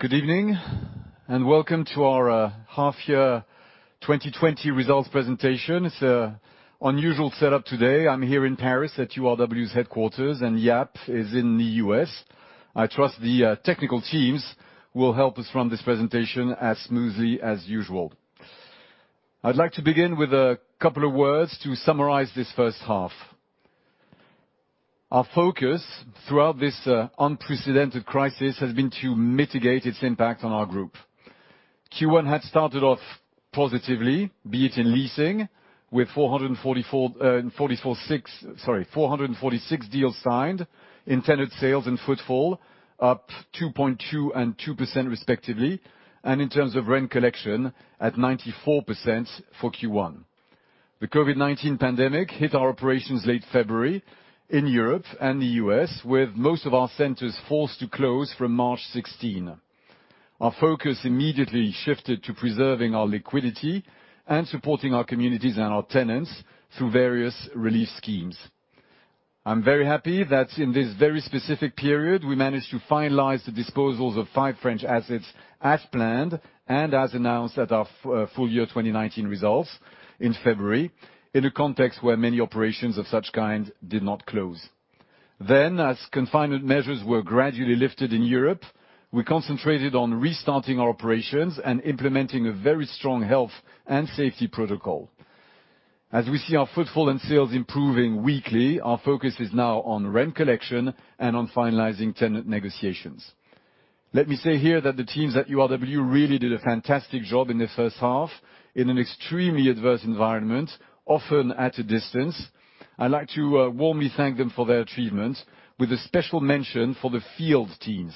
Good evening, and welcome to our H1 2020 results presentation. It's an unusual setup today. I'm here in Paris at URW's headquarters, and Jaap is in the U.S. I trust the technical teams will help us run this presentation as smoothly as usual. I'd like to begin with a couple of words to summarize this first half. Our focus throughout this unprecedented crisis has been to mitigate its impact on our group. Q1 had started off positively, be it in leasing, with 446 deals signed, intended sales and footfall up 2.2% and 2%, respectively, and in terms of rent collection, at 94% for Q1. The COVID-19 pandemic hit our operations late February in Europe and the U.S., with most of our centers forced to close from March 16. Our focus immediately shifted to preserving our liquidity and supporting our communities and our tenants through various relief schemes. I'm very happy that in this very specific period, we managed to finalize the disposals of five French assets as planned, and as announced at our full year 2019 results in February, in a context where many operations of such kind did not close. Then, as confinement measures were gradually lifted in Europe, we concentrated on restarting our operations and implementing a very strong health and safety protocol. As we see our footfall and sales improving weekly, our focus is now on rent collection and on finalizing tenant negotiations. Let me say here that the teams at URW really did a fantastic job in the first half, in an extremely adverse environment, often at a distance. I'd like to warmly thank them for their achievement, with a special mention for the field teams,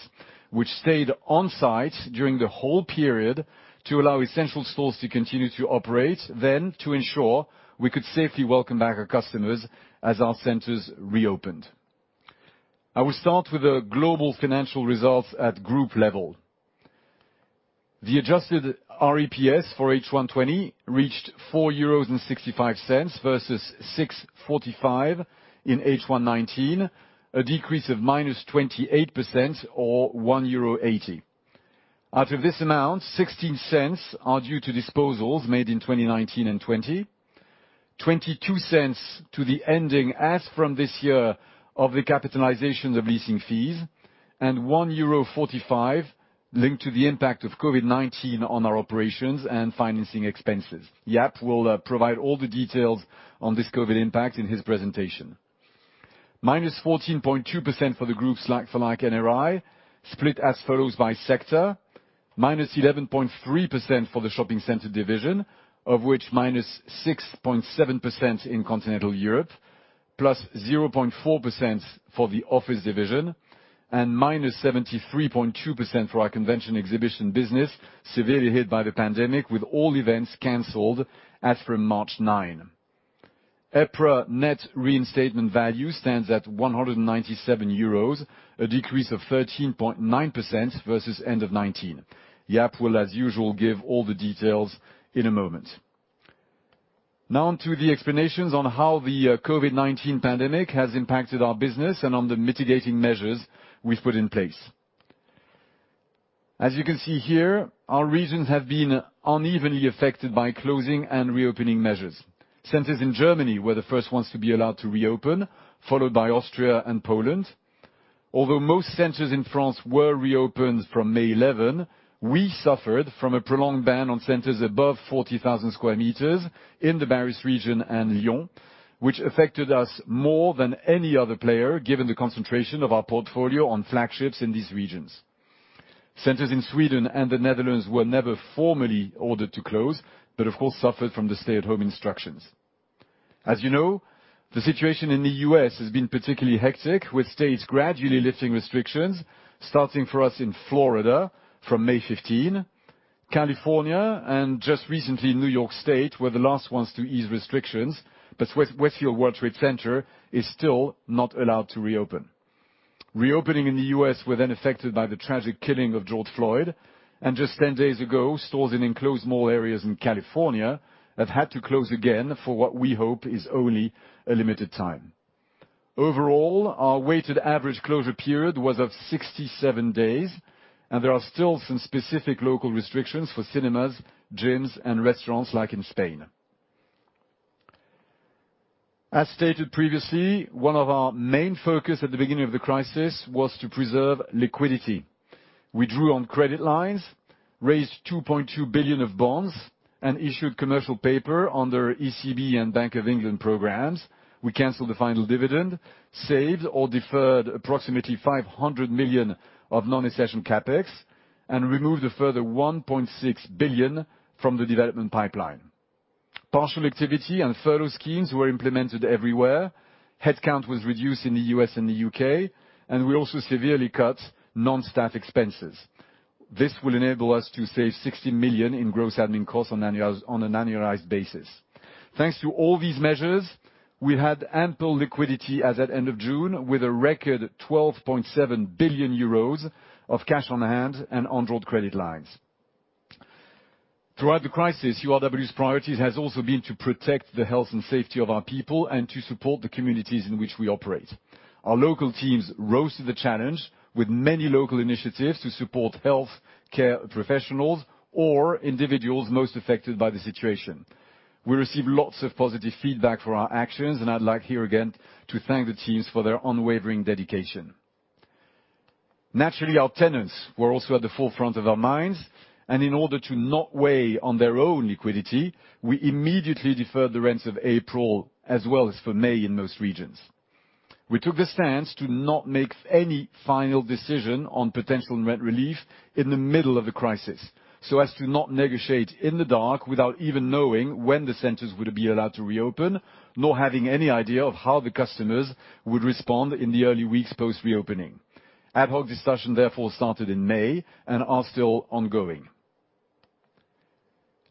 which stayed on site during the whole period to allow essential stores to continue to operate, then to ensure we could safely welcome back our customers as our centers reopened. I will start with the global financial results at group level. The adjusted AREPS for H1 2020 reached 4.65 euros versus 6.45 in H1 2019, a decrease of -28% or 1.80 euro. Out of this amount, 16 cents are due to disposals made in 2019 and 2020, 22 cents to the ending as from this year of the capitalization of leasing fees, and 1.45 euro linked to the impact of COVID-19 on our operations and financing expenses. Jaap will provide all the details on this COVID impact in his presentation. Minus 14.2% for the group's like-for-like NRI, split as follows by sector, minus 11.3% for the shopping center division, of which minus 6.7% in continental Europe, plus 0.4% for the office division, and minus 73.2% for our convention exhibition business, severely hit by the pandemic, with all events canceled as from March 9. EPRA Net Reinstatement Value stands at 197 euros, a decrease of 13.9% versus end of 2019. Jaap will, as usual, give all the details in a moment. Now on to the explanations on how the COVID-19 pandemic has impacted our business and on the mitigating measures we've put in place. As you can see here, our regions have been unevenly affected by closing and reopening measures. Centers in Germany were the first ones to be allowed to reopen, followed by Austria and Poland. Although most centers in France were reopened from May eleven, we suffered from a prolonged ban on centers above 40,000 square meters in the Paris region and Lyon, which affected us more than any other player, given the concentration of our portfolio on flagships in these regions. Centers in Sweden and the Netherlands were never formally ordered to close, but of course, suffered from the stay-at-home instructions. As you know, the situation in the U.S. has been particularly hectic, with states gradually lifting restrictions, starting for us in Florida from May fifteen. California, and just recently, New York State, were the last ones to ease restrictions, but Westfield World Trade Center is still not allowed to reopen. Reopening in the US were then affected by the tragic killing of George Floyd, and just 10 days ago, stores in enclosed mall areas in California have had to close again for what we hope is only a limited time. Overall, our weighted average closure period was of 67 days, and there are still some specific local restrictions for cinemas, gyms, and restaurants, like in Spain. As stated previously, one of our main focus at the beginning of the crisis was to preserve liquidity. We drew on credit lines, raised 2.2 billion of bonds, and issued commercial paper under ECB and Bank of England programs. We canceled the final dividend, saved or deferred approximately 500 million of non-essential CapEx, and removed a further 1.6 billion from the development pipeline. Partial activity and furlough schemes were implemented everywhere. Headcount was reduced in the U.S. and the U.K., and we also severely cut non-staff expenses. This will enable us to save 60 million in gross admin costs on an annualized basis. Thanks to all these measures, we had ample liquidity as at end of June, with a record 12.7 billion euros of cash on hand and undrawn credit lines. Throughout the crisis, URW's priorities has also been to protect the health and safety of our people and to support the communities in which we operate. Our local teams rose to the challenge with many local initiatives to support health care professionals or individuals most affected by the situation. We received lots of positive feedback for our actions, and I'd like here again to thank the teams for their unwavering dedication. Naturally, our tenants were also at the forefront of our minds, and in order to not weigh on their own liquidity, we immediately deferred the rents of April as well as for May in most regions. We took the stance to not make any final decision on potential rent relief in the middle of the crisis, so as to not negotiate in the dark without even knowing when the centers would be allowed to reopen, nor having any idea of how the customers would respond in the early weeks post-reopening. Ad hoc discussion therefore started in May and are still ongoing.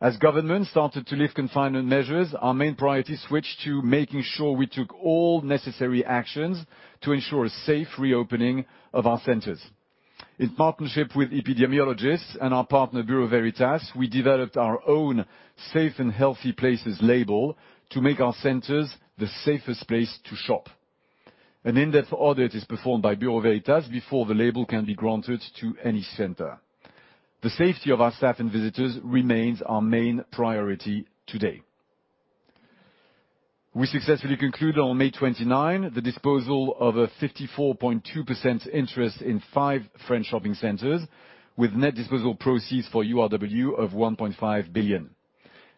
As governments started to lift confinement measures, our main priority switched to making sure we took all necessary actions to ensure a safe reopening of our centers. In partnership with epidemiologists and our partner, Bureau Veritas, we developed our own Safe & Healthy Places label to make our centers the safest place to shop. An in-depth audit is performed by Bureau Veritas before the label can be granted to any center. The safety of our staff and visitors remains our main priority today. We successfully concluded on 29 May 2020, the disposal of a 54.2% interest in five French shopping centers, with net disposal proceeds for URW of 1.5 billion.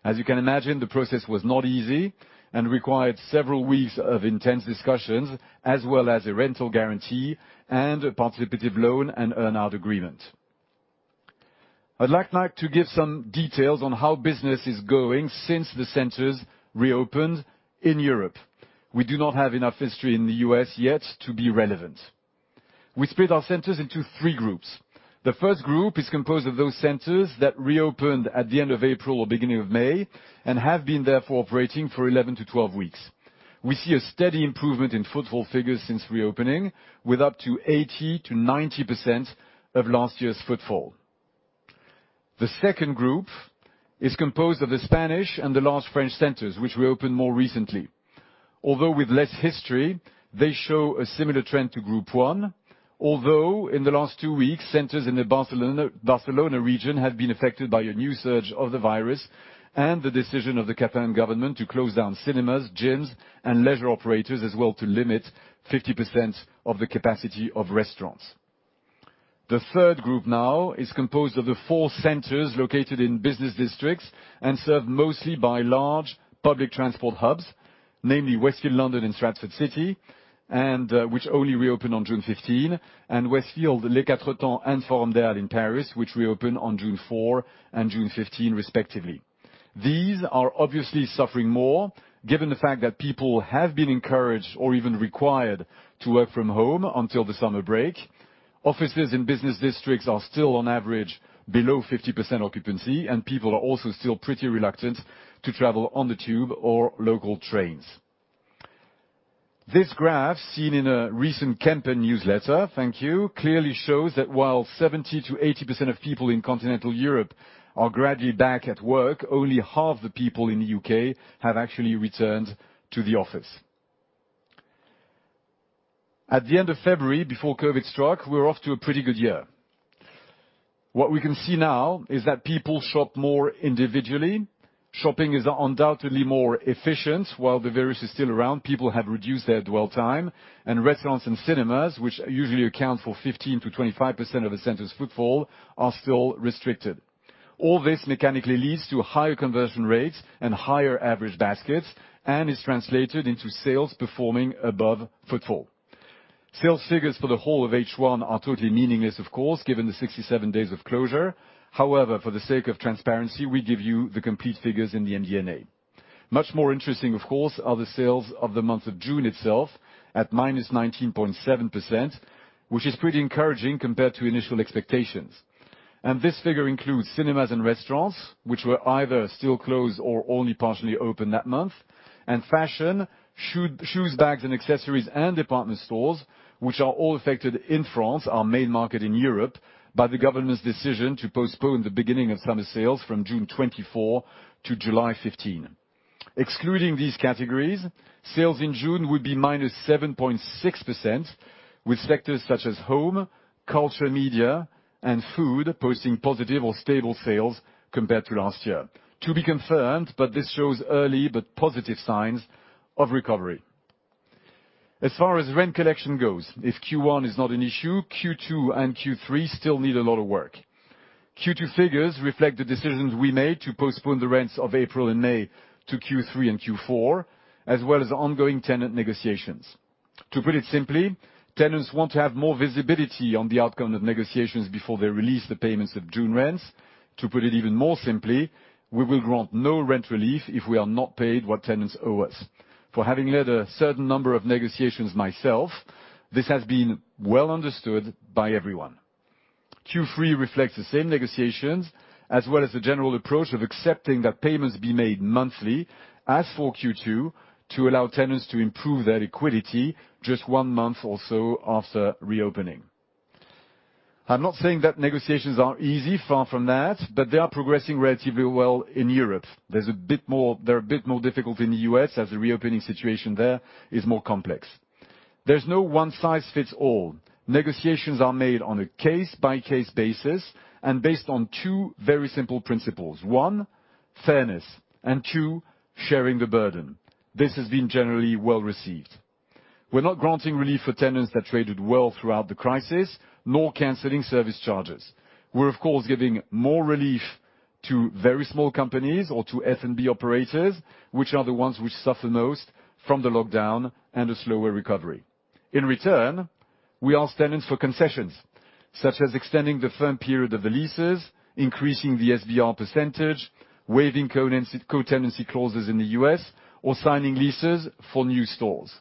As you can imagine, the process was not easy and required several weeks of intense discussions, as well as a rental guarantee and a participative loan and earn-out agreement. I'd like now to give some details on how business is going since the centers reopened in Europe. We do not have enough history in the U.S. yet to be relevant. We split our centers into three groups. The first group is composed of those centers that reopened at the end of April or beginning of May, and have been therefore operating for 11 to 12 weeks. We see a steady improvement in footfall figures since reopening, with up to 80%-90% of last year's footfall. The second group is composed of the Spanish and the last French centers, which we opened more recently. Although with less history, they show a similar trend to group one. Although in the last two weeks, centers in the Barcelona, Barcelona region have been affected by a new surge of the virus and the decision of the Catalan government to close down cinemas, gyms, and leisure operators, as well to limit 50% of the capacity of restaurants. The third group now is composed of the four centers located in business districts and served mostly by large public transport hubs, namely Westfield London and Westfield Stratford City, and which only reopened on June fifteen, and Westfield Les Quatre Temps and Forum des Halles in Paris, which reopened on June four and June fifteen, respectively. These are obviously suffering more, given the fact that people have been encouraged or even required to work from home until the summer break. Offices in business districts are still, on average, below 50% occupancy, and people are also still pretty reluctant to travel on the tube or local trains. This graph, seen in a recent Kempen newsletter, thank you, clearly shows that while 70%-80% of people in continental Europe are gradually back at work, only half the people in the UK have actually returned to the office. At the end of February, before Covid struck, we were off to a pretty good year. What we can see now is that people shop more individually. Shopping is undoubtedly more efficient. While the virus is still around, people have reduced their dwell time, and restaurants and cinemas, which usually account for 15%-25% of the center's footfall, are still restricted. All this mechanically leads to higher conversion rates and higher average baskets, and is translated into sales performing above footfall. Sales figures for the whole of H1 are totally meaningless, of course, given the sixty-seven days of closure. However, for the sake of transparency, we give you the complete figures in the MD&A. Much more interesting, of course, are the sales of the month of June itself, at minus 19.7%, which is pretty encouraging compared to initial expectations. This figure includes cinemas and restaurants, which were either still closed or only partially open that month, and fashion, shoes, bags, and accessories, and department stores, which are all affected in France, our main market in Europe, by the government's decision to postpone the beginning of summer sales from 24 June 2020 to 15 July 2020. Excluding these categories, sales in June would be minus 7.6%, with sectors such as home, culture, media, and food posting positive or stable sales compared to last year. To be confirmed, but this shows early but positive signs of recovery. As far as rent collection goes, if Q1 is not an issue, Q2 and Q3 still need a lot of work. Q2 figures reflect the decisions we made to postpone the rents of April and May to Q3 and Q4, as well as ongoing tenant negotiations. To put it simply, tenants want to have more visibility on the outcome of negotiations before they release the payments of June rents. To put it even more simply, we will grant no rent relief if we are not paid what tenants owe us. For having led a certain number of negotiations myself, this has been well understood by everyone. Q3 reflects the same negotiations, as well as the general approach of accepting that payments be made monthly as for Q2, to allow tenants to improve their liquidity just one month or so after reopening.... I'm not saying that negotiations are easy, far from that, but they are progressing relatively well in Europe. There's a bit more, they're a bit more difficult in the U.S., as the reopening situation there is more complex. There's no one size fits all. Negotiations are made on a case-by-case basis, and based on two very simple principles: one, fairness, and two, sharing the burden. This has been generally well received. We're not granting relief for tenants that traded well throughout the crisis, nor canceling service charges. We're, of course, giving more relief to very small companies or to F&B operators, which are the ones which suffer most from the lockdown and a slower recovery. In return, we ask tenants for concessions, such as extending the firm period of the leases, increasing the SBR percentage, waiving co-tenancy clauses in the U.S., or signing leases for new stores.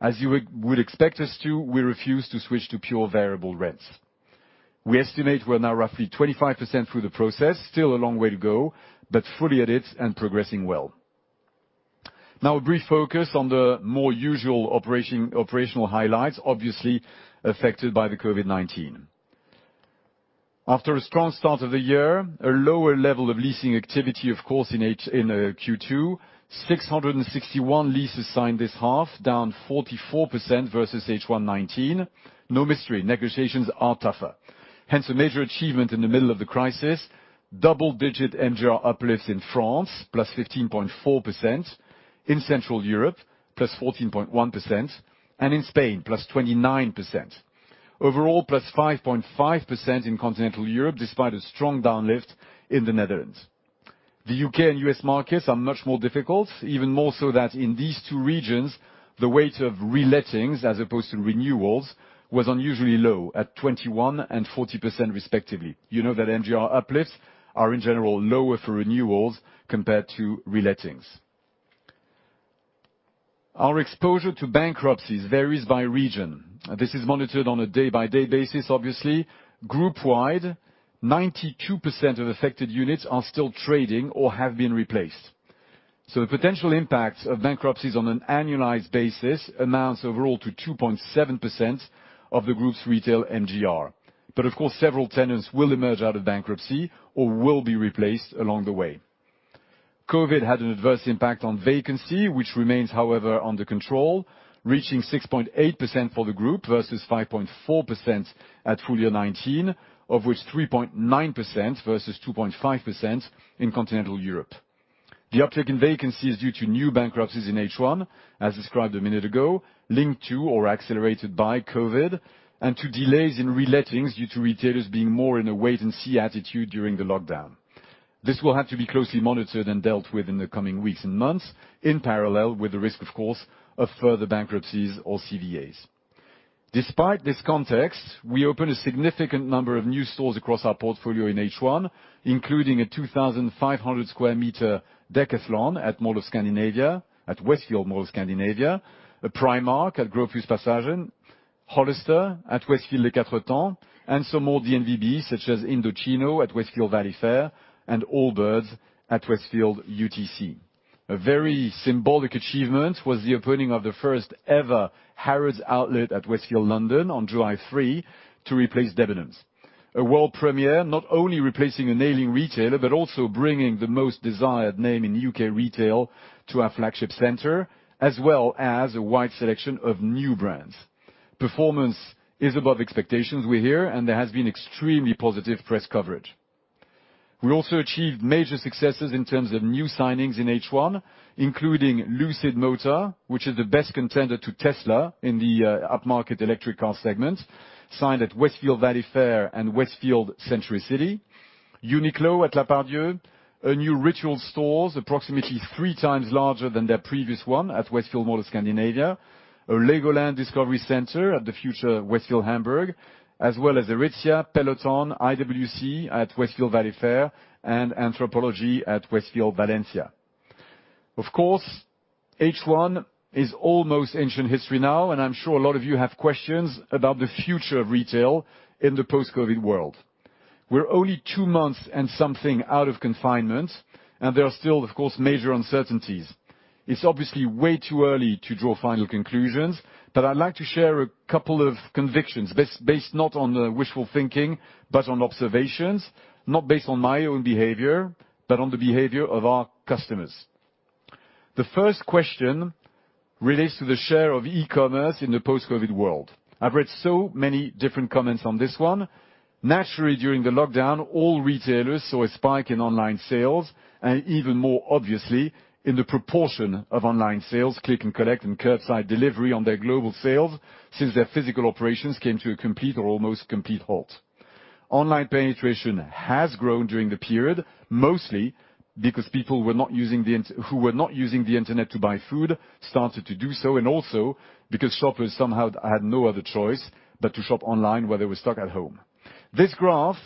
As you would expect us to, we refuse to switch to pure variable rents. We estimate we're now roughly 25% through the process, still a long way to go, but fully at it and progressing well. Now, a brief focus on the more usual operation, operational highlights, obviously affected by the COVID-19. After a strong start of the year, a lower level of leasing activity, of course, in H1 in Q2, 661 leases signed this half, down 44% versus H1 2019. No mystery, negotiations are tougher. Hence, a major achievement in the middle of the crisis, double-digit MGR uplifts in France, plus 15.4%, in Central Europe, plus 14.1%, and in Spain, plus 29%. Overall, plus 5.5% in continental Europe, despite a strong down lift in the Netherlands. The UK and US markets are much more difficult, even more so that in these two regions, the weight of relettings, as opposed to renewals, was unusually low, at 21% and 40%, respectively. You know that MGR uplifts are, in general, lower for renewals compared to relettings. Our exposure to bankruptcies varies by region. This is monitored on a day-by-day basis, obviously. Group-wide, 92% of affected units are still trading or have been replaced. So the potential impacts of bankruptcies on an annualized basis amounts overall to 2.7% of the group's retail MGR. But of course, several tenants will emerge out of bankruptcy or will be replaced along the way. COVID had an adverse impact on vacancy, which remains, however, under control, reaching 6.8% for the group versus 5.4% at full year 2019, of which 3.9% versus 2.5% in continental Europe. The uptick in vacancy is due to new bankruptcies in H1, as described a minute ago, linked to or accelerated by COVID, and to delays in relettings due to retailers being more in a wait-and-see attitude during the lockdown. This will have to be closely monitored and dealt with in the coming weeks and months, in parallel with the risk, of course, of further bankruptcies or CVAs. Despite this context, we opened a significant number of new stores across our portfolio in H1, including a 2,500-square meter Decathlon at Mall of Scandinavia, at Westfield Mall of Scandinavia, a Primark at Gropius Passagen, Hollister at Westfield Les Quatre Temps, and some more DNVBs, such as Indochino at Westfield Valley Fair, and Allbirds at Westfield UTC. A very symbolic achievement was the opening of the first ever Harrods outlet at Westfield London on July three, to replace Debenhams. A world premiere, not only replacing a failing retailer, but also bringing the most desired name in UK retail to our flagship center, as well as a wide selection of new brands. Performance is above expectations, we hear, and there has been extremely positive press coverage. We also achieved major successes in terms of new signings in H1, including Lucid Motors, which is the best contender to Tesla in the upmarket electric car segment, signed at Westfield Valley Fair and Westfield Century City. Uniqlo at La Part-Dieu, a new Rituals store, approximately three times larger than their previous one at Westfield Mall of Scandinavia, a Legoland Discovery Center at the future Westfield Hamburg, as well as Aritzia, Peloton, IWC at Westfield Valley Fair, and Anthropologie at Westfield Valencia. Of course, H1 is almost ancient history now, and I'm sure a lot of you have questions about the future of retail in the post-COVID world. We're only two months and something out of confinement, and there are still, of course, major uncertainties. It's obviously way too early to draw final conclusions, but I'd like to share a couple of convictions, based not on wishful thinking, but on observations. Not based on my own behavior, but on the behavior of our customers. The first question relates to the share of e-commerce in the post-COVID world. I've read so many different comments on this one. Naturally, during the lockdown, all retailers saw a spike in online sales, and even more obviously, in the proportion of online sales, click and collect, and curbside delivery on their global sales, since their physical operations came to a complete or almost complete halt. Online penetration has grown during the period, mostly because people who were not using the internet to buy food started to do so, and also because shoppers somehow had no other choice but to shop online while they were stuck at home. This graph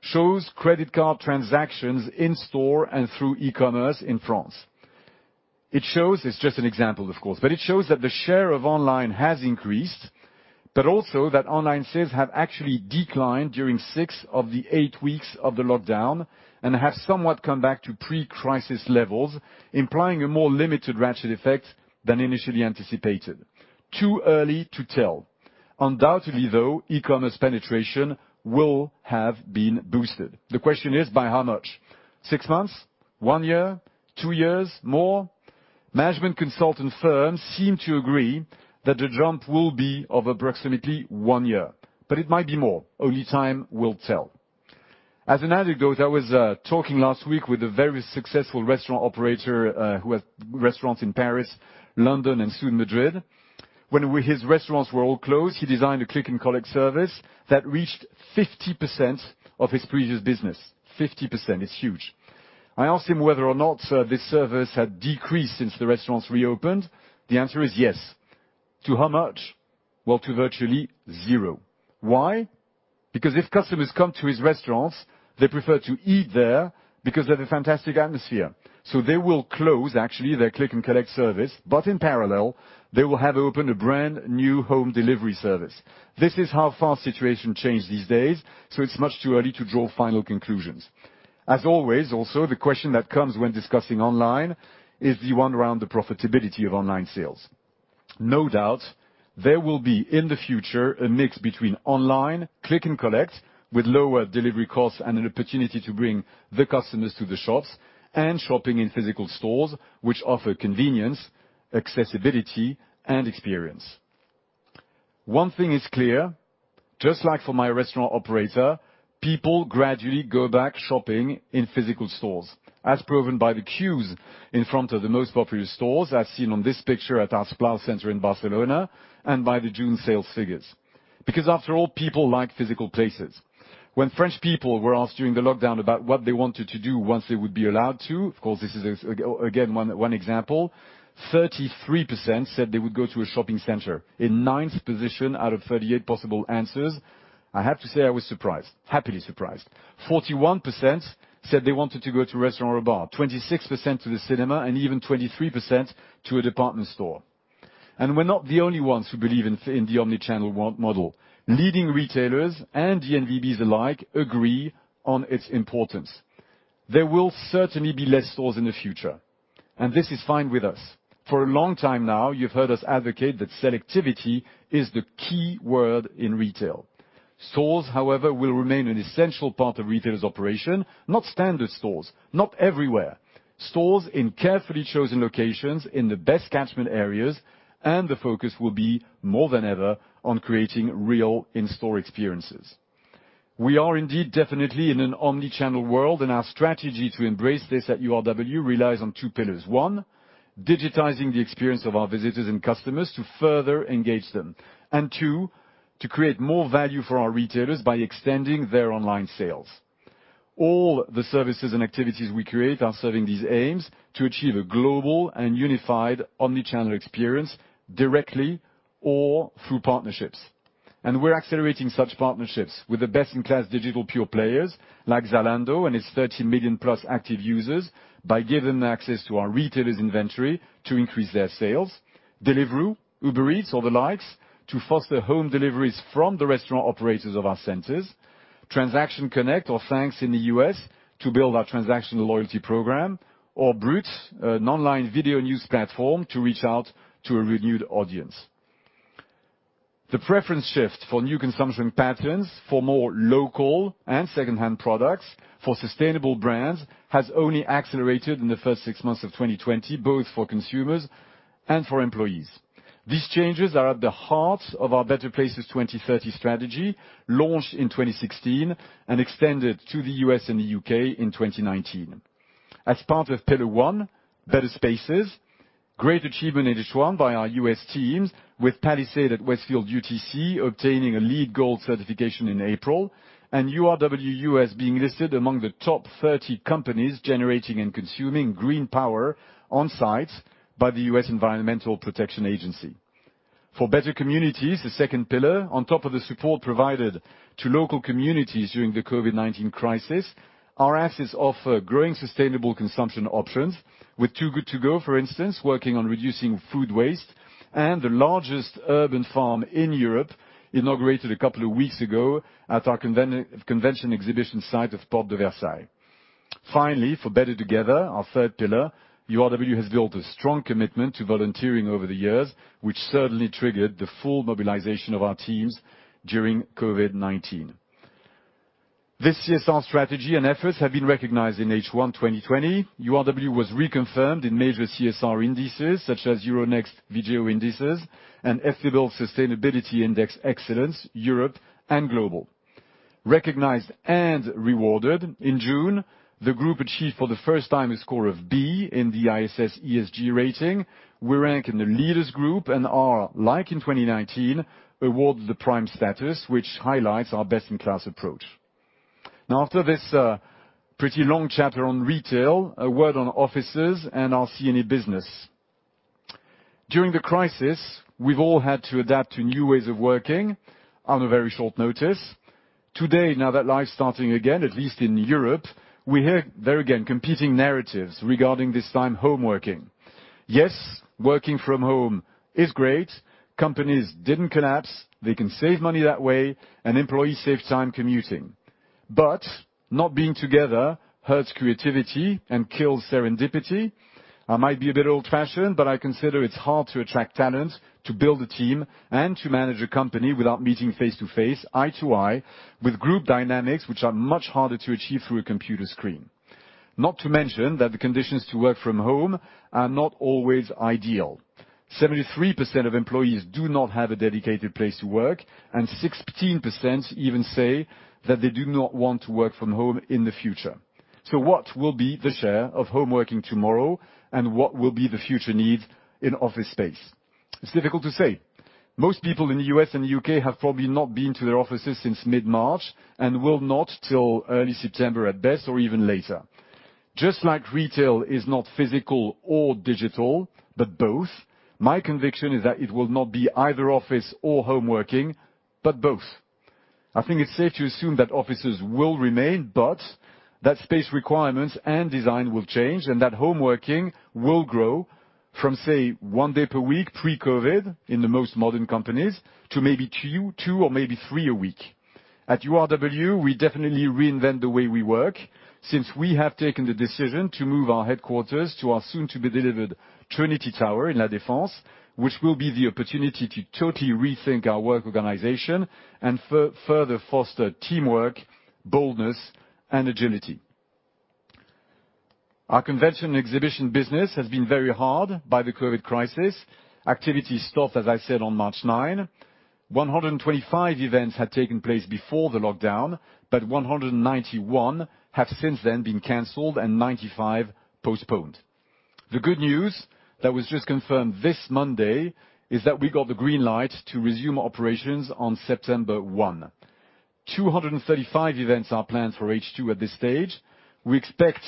shows credit card transactions in store and through e-commerce in France. It shows, it's just an example, of course, but it shows that the share of online has increased, but also that online sales have actually declined during six of the eight weeks of the lockdown, and have somewhat come back to pre-crisis levels, implying a more limited ratchet effect than initially anticipated. Too early to tell. Undoubtedly, though, e-commerce penetration will have been boosted. The question is, by how much? Six months, one year, two years, more? Management consultant firms seem to agree that the jump will be of approximately one year, but it might be more. Only time will tell. As an anecdote, I was talking last week with a very successful restaurant operator who has restaurants in Paris, London, and soon Madrid. When his restaurants were all closed, he designed a click-and-collect service that reached 50% of his previous business. 50%, it's huge. I asked him whether or not this service had decreased since the restaurants reopened. The answer is yes. To how much? Well, to virtually zero. Why? Because if customers come to his restaurants, they prefer to eat there because they have a fantastic atmosphere. So they will close, actually, their click-and-collect service, but in parallel, they will have opened a brand-new home delivery service. This is how fast situations change these days, so it's much too early to draw final conclusions. As always, also, the question that comes when discussing online is the one around the profitability of online sales. No doubt there will be, in the future, a mix between online click and collect, with lower delivery costs and an opportunity to bring the customers to the shops, and shopping in physical stores, which offer convenience, accessibility, and experience. One thing is clear, just like for my restaurant operator, people gradually go back shopping in physical stores, as proven by the queues in front of the most popular stores, as seen on this picture at our Splau center in Barcelona, and by the June sales figures. Because after all, people like physical places. When French people were asked during the lockdown about what they wanted to do once they would be allowed to, of course, this is, again, one example, 33% said they would go to a shopping center. In ninth position out of 38 possible answers, I have to say I was surprised, happily surprised. 41% said they wanted to go to a restaurant or a bar, 26% to the cinema, and even 23% to a department store. We're not the only ones who believe in the omni-channel model. Leading retailers and DNVBs alike agree on its importance. There will certainly be less stores in the future, and this is fine with us. For a long time now, you've heard us advocate that selectivity is the key word in retail. Stores, however, will remain an essential part of retailers' operation. Not standard stores, not everywhere. Stores in carefully chosen locations in the best catchment areas, and the focus will be, more than ever, on creating real in-store experiences. We are indeed, definitely in an omni-channel world, and our strategy to embrace this at URW relies on two pillars. One, digitizing the experience of our visitors and customers to further engage them, and two, to create more value for our retailers by extending their online sales. All the services and activities we create are serving these aims to achieve a global and unified omni-channel experience, directly or through partnerships, and we're accelerating such partnerships with the best-in-class digital pure players like Zalando and its 13-million-plus active users by giving access to our retailers' inventory to increase their sales. Deliveroo, Uber Eats, or the likes, to foster home deliveries from the restaurant operators of our centers. Transaction Connect or Thanks in the U.S. to build our transactional loyalty program, or Brut, an online video news platform, to reach out to a renewed audience. The preference shift for new consumption patterns, for more local and secondhand products, for sustainable brands, has only accelerated in the first six months of 2020, both for consumers and for employees. These changes are at the heart of our Better Places 2030 strategy, launched in 2016 and extended to the U.S. and the U.K. in 2019. As part of pillar one, better spaces, great achievement in H1 by our U.S. teams, with Palisade at Westfield UTC obtaining a LEED Gold certification in April, and URW U.S. being listed among the top 30 companies generating and consuming green power on site by the U.S. Environmental Protection Agency. For better communities, the second pillar, on top of the support provided to local communities during the COVID-19 crisis, our assets offer growing sustainable consumption options, with Too Good To Go, for instance, working on reducing food waste, and the largest urban farm in Europe, inaugurated a couple of weeks ago at our convention exhibition site of Porte de Versailles. Finally, for better together, our third pillar, URW has built a strong commitment to volunteering over the years, which certainly triggered the full mobilization of our teams during COVID-19. This CSR strategy and efforts have been recognized in H1 2020. URW was reconfirmed in major CSR indices, such as Euronext Vigeo indices and Ethibel Sustainability Index Excellence, Europe and Global. Recognized and rewarded in June, the group achieved for the first time a score of B in the ISS ESG rating. We rank in the leaders group and are, like in 2019, awarded the Prime status, which highlights our best-in-class approach. Now, after this pretty long chapter on retail, a word on offices and our C&E business. During the crisis, we've all had to adapt to new ways of working on a very short notice. Today, now that life's starting again, at least in Europe, we hear, there again, competing narratives regarding this time home working. Yes, working from home is great. Companies didn't collapse. They can save money that way, and employees save time commuting... but not being together hurts creativity and kills serendipity. I might be a bit old-fashioned, but I consider it's hard to attract talent, to build a team, and to manage a company without meeting face-to-face, eye-to-eye, with group dynamics which are much harder to achieve through a computer screen. Not to mention, that the conditions to work from home are not always ideal. 73% of employees do not have a dedicated place to work, and 16% even say that they do not want to work from home in the future. So what will be the share of home working tomorrow, and what will be the future need in office space? It's difficult to say. Most people in the U.S. and the U.K. have probably not been to their offices since mid-March, and will not till early September, at best, or even later. Just like retail is not physical or digital, but both, my conviction is that it will not be either office or home working, but both. I think it's safe to assume that offices will remain, but that space requirements and design will change, and that home working will grow from, say, one day per week pre-COVID, in the most modern companies, to maybe two, two or maybe three a week. At URW, we definitely reinvent the way we work, since we have taken the decision to move our headquarters to our soon-to-be-delivered Trinity Tower in La Défense, which will be the opportunity to totally rethink our work organization and further foster teamwork, boldness, and agility. Our convention exhibition business has been hit very hard by the COVID crisis. Activity stopped, as I said, on March 9. 125 events had taken place before the lockdown, but 191 have since then been canceled, and 95 postponed. The good news, that was just confirmed this Monday, is that we got the green light to resume operations on September 1. 235 events are planned for H2 at this stage. We expect,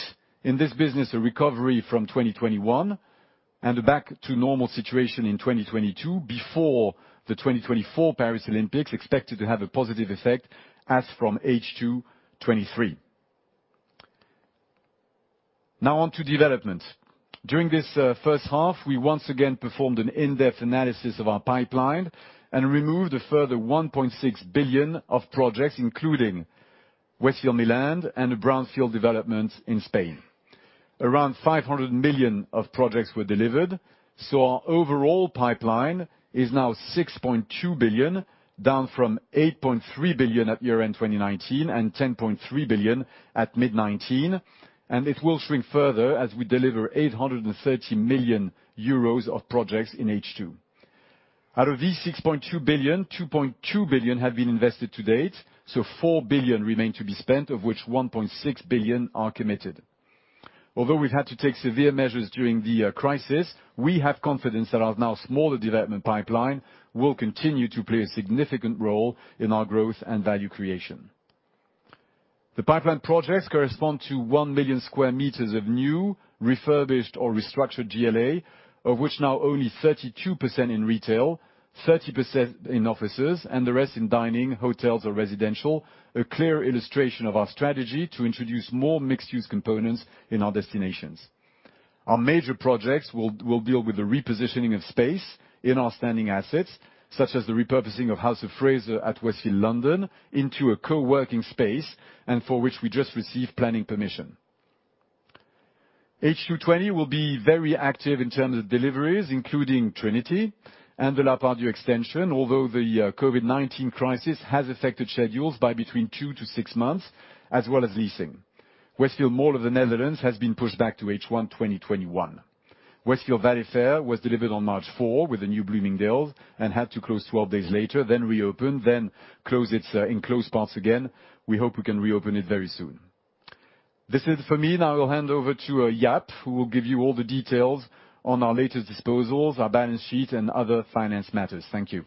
in this business, a recovery from 2021, and a back to normal situation in 2022, before the 2024 Paris Olympics, expected to have a positive effect as from H2 2023. Now on to development. During this first half, we once again performed an in-depth analysis of our pipeline and removed a further 1.6 billion of projects, including Westfield Milan and brownfield developments in Spain. Around 500 million of projects were delivered, so our overall pipeline is now 6.2 billion, down from 8.3 billion at year-end 2019, and 10.3 billion at mid-2019, and it will shrink further as we deliver 830 million euros of projects in H2. Out of these 6.2 billion, 2.2 billion have been invested to date, so 4 billion remain to be spent, of which 1.6 billion are committed. Although we've had to take severe measures during the crisis, we have confidence that our now smaller development pipeline will continue to play a significant role in our growth and value creation. The pipeline projects correspond to 1 million square meters of new, refurbished, or restructured GLA, of which now only 32% in retail, 30% in offices, and the rest in dining, hotels, or residential. A clear illustration of our strategy to introduce more mixed-use components in our destinations. Our major projects will deal with the repositioning of space in our standing assets, such as the repurposing of House of Fraser at Westfield London into a co-working space, and for which we just received planning permission. H2 2020 will be very active in terms of deliveries, including Trinity and the La Part-Dieu extension, although the COVID-19 crisis has affected schedules by between two to six months, as well as leasing. Westfield Mall of the Netherlands has been pushed back to H1 2021. Westfield Valley Fair was delivered on March 4, with the new Bloomingdale's, and had to close 12 days later, then reopened, then close its enclosed parts again. We hope we can reopen it very soon. This is it for me. Now I will hand over to Jaap, who will give you all the details on our latest disposals, our balance sheet, and other finance matters. Thank you,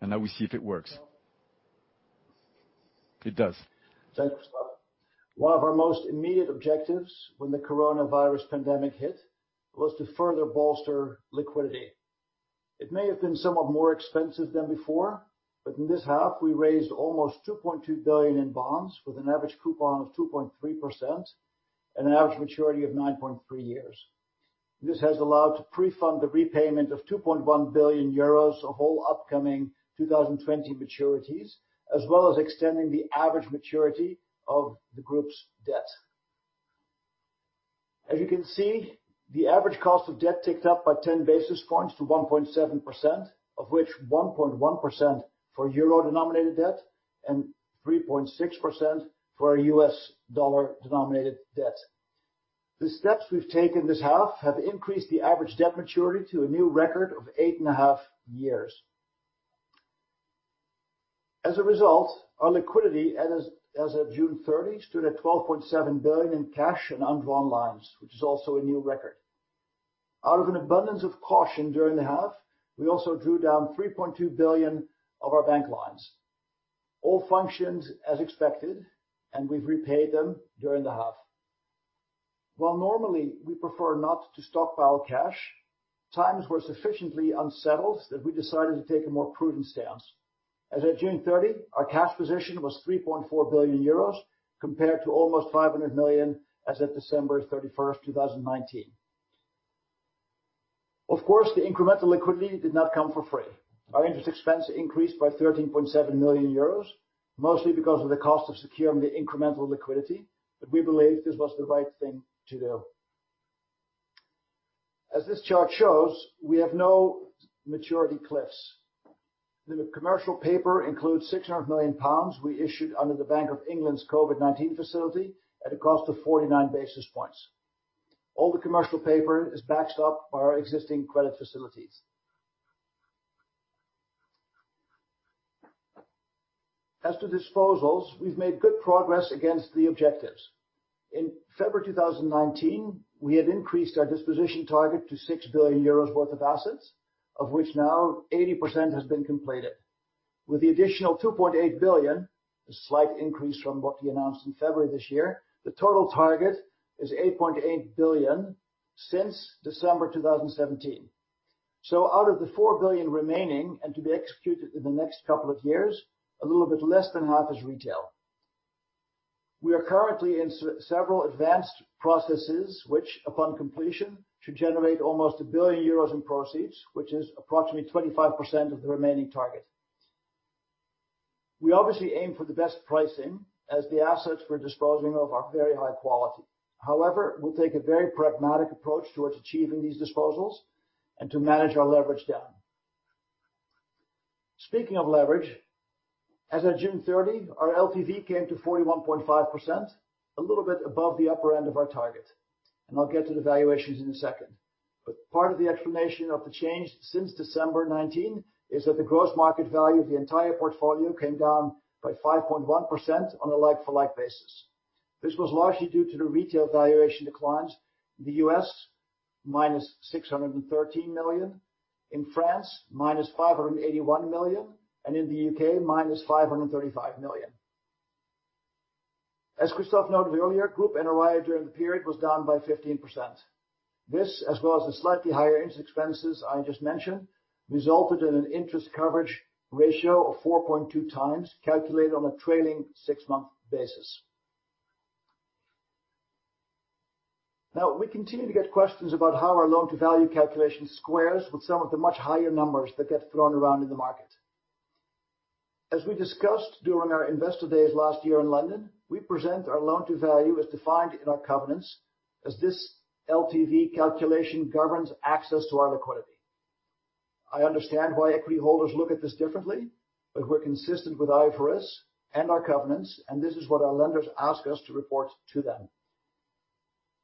and now we see if it works. It does. Thanks, Christophe. One of our most immediate objectives when the coronavirus pandemic hit was to further bolster liquidity. It may have been somewhat more expensive than before, but in this half, we raised almost 2.2 billion in bonds, with an average coupon of 2.3% and an average maturity of 9.3 years. This has allowed to pre-fund the repayment of 2.1 billion euros of all upcoming 2020 maturities, as well as extending the average maturity of the group's debt. As you can see, the average cost of debt ticked up by 10 basis points to 1.7%, of which 1.1% for euro-denominated debt, and 3.6% for US dollar-denominated debt. The steps we've taken this half have increased the average debt maturity to a new record of 8.5 years. As a result, our liquidity, as of June 30, stood at 12.7 billion in cash and undrawn lines, which is also a new record. Out of an abundance of caution during the half, we also drew down 3.2 billion of our bank lines. All functioned as expected, and we've repaid them during the half. While normally we prefer not to stockpile cash, times were sufficiently unsettled that we decided to take a more prudent stance. As of June 30, our cash position was 3.4 billion euros, compared to almost 500 million as of December 31, 2019. Of course, the incremental liquidity did not come for free. Our interest expense increased by 13.7 million euros, mostly because of the cost of securing the incremental liquidity, but we believe this was the right thing to do. As this chart shows, we have no maturity cliffs. The commercial paper includes 600 million pounds we issued under the Bank of England's COVID-19 facility at a cost of 49 basis points. All the commercial paper is backed up by our existing credit facilities. As to disposals, we've made good progress against the objectives. In February 2019, we had increased our disposition target to 6 billion euros worth of assets, of which now 80% has been completed. With the additional 2.8 billion, a slight increase from what we announced in February this year, the total target is 8.8 billion since December 2017. So out of the 4 billion remaining, and to be executed in the next couple of years, a little bit less than half is retail. We are currently in several advanced processes, which, upon completion, should generate almost 1 billion euros in proceeds, which is approximately 25% of the remaining target. We obviously aim for the best pricing as the assets we're disposing of are very high quality. However, we'll take a very pragmatic approach towards achieving these disposals and to manage our leverage down. Speaking of leverage, as at June thirty, our LTV came to 41.5%, a little bit above the upper end of our target, and I'll get to the valuations in a second, but part of the explanation of the change since December 2019 is that the gross market value of the entire portfolio came down by 5.1% on a like-for-like basis. This was largely due to the retail valuation declines in the U.S., minus 613 million, in France, minus 581 million, and in the U.K., minus 535 million. As Christophe noted earlier, group NOI during the period was down by 15%. This, as well as the slightly higher interest expenses I just mentioned, resulted in an interest coverage ratio of 4.2 times, calculated on a trailing six-month basis. Now, we continue to get questions about how our loan-to-value calculation squares with some of the much higher numbers that get thrown around in the market. As we discussed during our investor days last year in London, we present our loan-to-value as defined in our covenants, as this LTV calculation governs access to our liquidity. I understand why equity holders look at this differently, but we're consistent with IFRS and our covenants, and this is what our lenders ask us to report to them.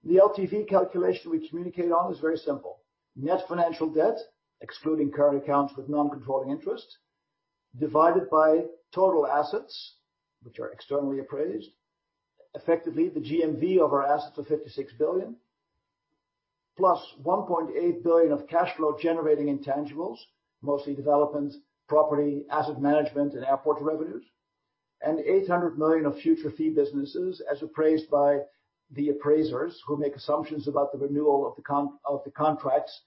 The LTV calculation we communicate on is very simple. Net financial debt, excluding current accounts with non-controlling interest, divided by total assets, which are externally appraised. Effectively, the GMV of our assets are 56 billion, plus 1.8 billion of cash flow generating intangibles, mostly developments, property, asset management, and airport revenues, and 800 million of future fee businesses, as appraised by the appraisers who make assumptions about the renewal of the contracts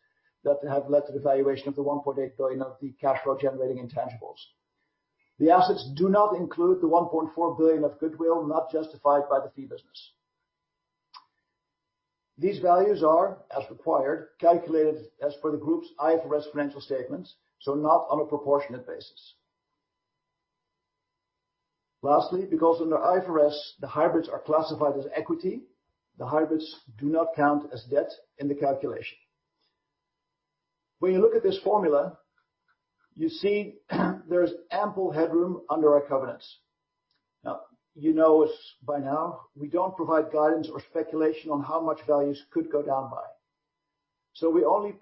that have led to the valuation of the 1.8 billion of the cash flow generating intangibles. The assets do not include the 1.4 billion of goodwill, not justified by the fee business. These values are, as required, calculated as per the group's IFRS financial statements, so not on a proportionate basis. Lastly, because under IFRS, the hybrids are classified as equity, the hybrids do not count as debt in the calculation. When you look at this formula, you see there's ample headroom under our covenants. Now, you know us by now, we don't provide guidance or speculation on how much values could go down by. So we only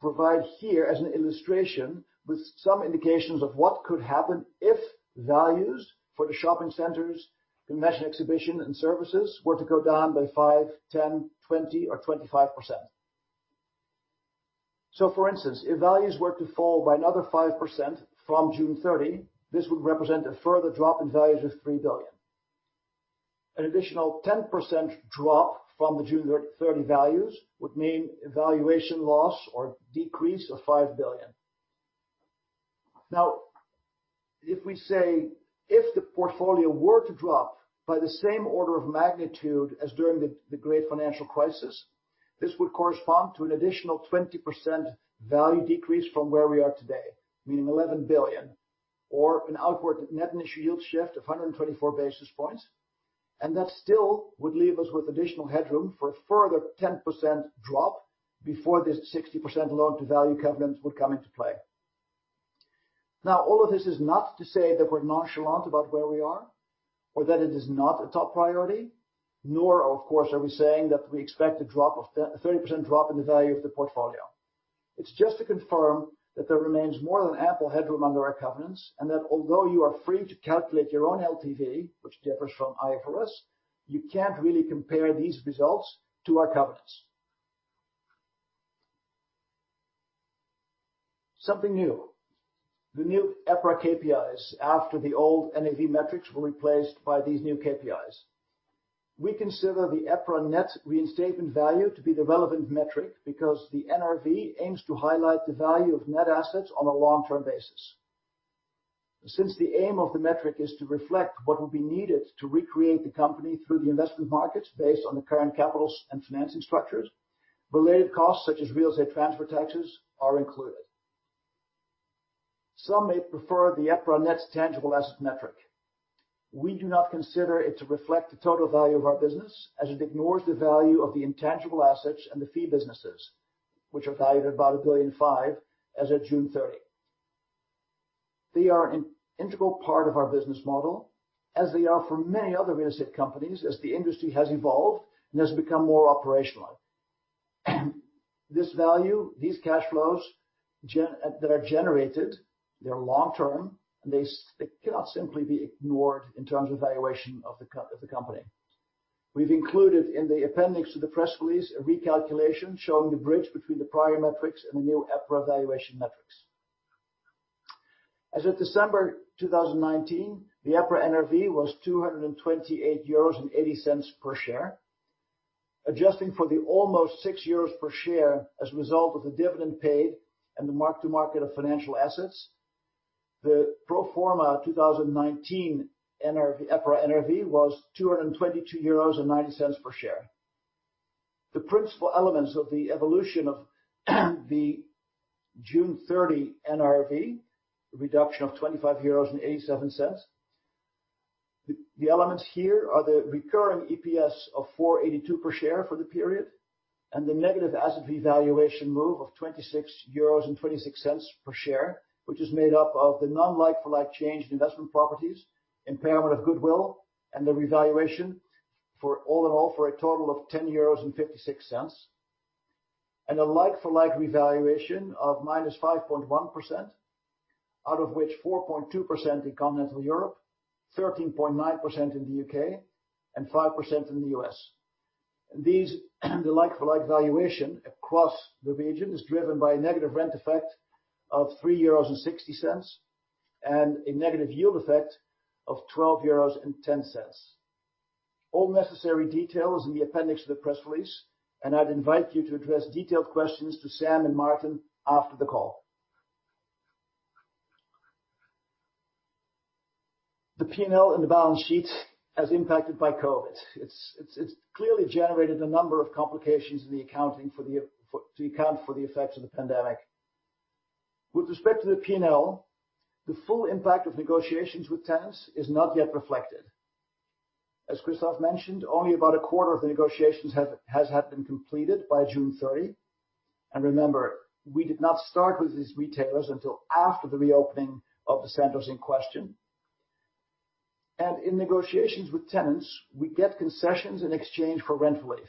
provide here as an illustration, with some indications of what could happen if values for the shopping centers, convention, exhibition, and services were to go down by 5, 10, 20, or 25%. So for instance, if values were to fall by another 5% from June thirty, this would represent a further drop in values of 3 billion. An additional 10% drop from the June thirty values would mean a valuation loss or decrease of 5 billion. Now, if we say, if the portfolio were to drop by the same order of magnitude as during the great financial crisis, this would correspond to an additional 20% value decrease from where we are today, meaning 11 billion, or an outward net initial yield shift of 124 basis points, and that still would leave us with additional headroom for a further 10% drop before this 60% loan-to-value covenants would come into play. Now, all of this is not to say that we're nonchalant about where we are, or that it is not a top priority, nor, of course, are we saying that we expect a 30% drop in the value of the portfolio. It's just to confirm that there remains more than ample headroom under our covenants, and that although you are free to calculate your own LTV, which differs from IFRS, you can't really compare these results to our covenants. Something new. The new EPRA KPIs after the old NAV metrics were replaced by these new KPIs. We consider the EPRA Net Reinstatement Value to be the relevant metric, because the NRV aims to highlight the value of net assets on a long-term basis... Since the aim of the metric is to reflect what will be needed to recreate the company through the investment markets, based on the current capitals and financing structures, related costs, such as real estate transfer taxes, are included. Some may prefer the EPRA Net Tangible Asset metric. We do not consider it to reflect the total value of our business, as it ignores the value of the intangible assets and the fee businesses, which are valued at about 1.5 billion, as of June thirty. They are an integral part of our business model, as they are for many other real estate companies, as the industry has evolved and has become more operational. This value, these cash flows generated, that are generated, they're long-term, and they cannot simply be ignored in terms of valuation of the company. We've included in the appendix to the press release, a recalculation showing the bridge between the prior metrics and the new EPRA valuation metrics. As of December 2019, the EPRA NRV was 228.80 euros per share, adjusting for the almost 6 euros per share as a result of the dividend paid and the mark-to-market of financial assets, the pro forma 2019 NRV, EPRA NRV, was 222.90 euros per share. The principal elements of the evolution of the June 30 NRV, reduction of 25.87 euros. The elements here are the recurring EPS of 4.82 per share for the period, and the negative asset revaluation move of 26.26 euros per share, which is made up of the non-like-for-like change in investment properties, impairment of goodwill, and the revaluation for all in all, for a total of 10.56 euros. A like-for-like revaluation of minus 5.1%, out of which 4.2% in continental Europe, 13.9% in the U.K., and 5% in the U.S. The like-for-like valuation across the region is driven by a negative rent effect of 3.60 euros, and a negative yield effect of 12.10 euros. All necessary detail is in the appendix of the press release, and I'd invite you to address detailed questions to Sam and Martin after the call. The P&L and the balance sheet as impacted by COVID. It's clearly generated a number of complications in the accounting to account for the effects of the pandemic. With respect to the P&L, the full impact of negotiations with tenants is not yet reflected. As Christophe mentioned, only about a quarter of the negotiations have been completed by June 30. And remember, we did not start with these retailers until after the reopening of the centers in question. And in negotiations with tenants, we get concessions in exchange for rent relief.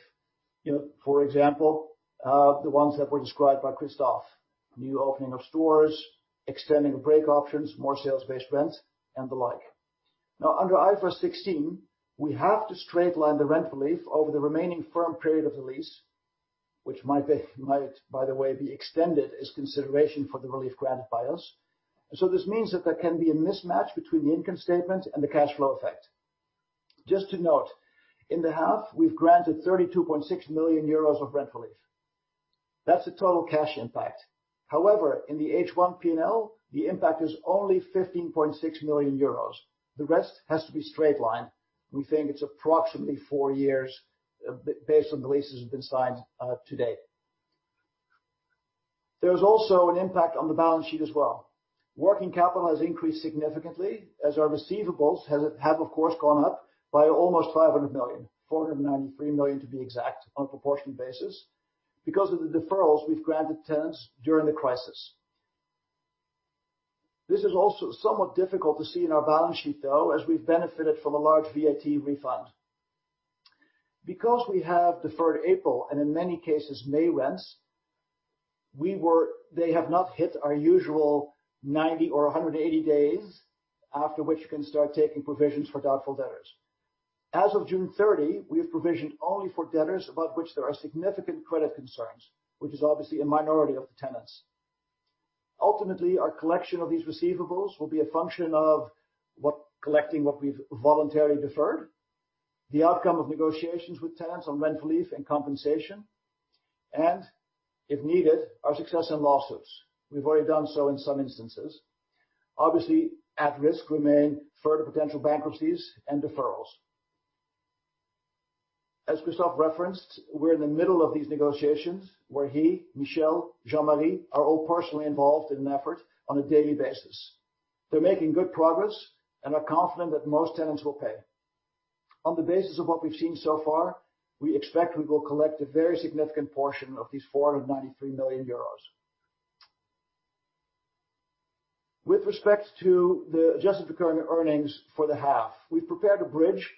You know, for example, the ones that were described by Christophe, new opening of stores, extending break options, more sales-based rents, and the like. Now, under IFRS 16, we have to straight line the rent relief over the remaining firm period of the lease, which might be, by the way, be extended as consideration for the relief granted by us. So this means that there can be a mismatch between the income statement and the cash flow effect. Just to note, in the half, we've granted 32.6 million euros of rent relief. That's the total cash impact. However, in the H1 P&L, the impact is only 15.6 million euros. The rest has to be straight lined. We think it's approximately four years, based on the leases that have been signed to date. There is also an impact on the balance sheet as well. Working capital has increased significantly, as our receivables have, of course, gone up by almost 500 million, 493 million to be exact, on a proportionate basis, because of the deferrals we've granted tenants during the crisis. This is also somewhat difficult to see in our balance sheet, though, as we've benefited from a large VAT refund. Because we have deferred April, and in many cases, May rents, they have not hit our usual 90 or 180 days, after which you can start taking provisions for doubtful debtors. As of June 30, we have provisioned only for debtors about which there are significant credit concerns, which is obviously a minority of the tenants. Ultimately, our collection of these receivables will be a function of collecting what we've voluntarily deferred, the outcome of negotiations with tenants on rent relief and compensation, and if needed, our success in lawsuits. We've already done so in some instances. Obviously, at risk remain further potential bankruptcies and deferrals. As Christophe referenced, we're in the middle of these negotiations, where he, Michel, Jean-Marie, are all personally involved in an effort on a daily basis. They're making good progress and are confident that most tenants will pay. On the basis of what we've seen so far, we expect we will collect a very significant portion of these 493 million euros. With respect to the adjusted recurring earnings for the half, we've prepared a bridge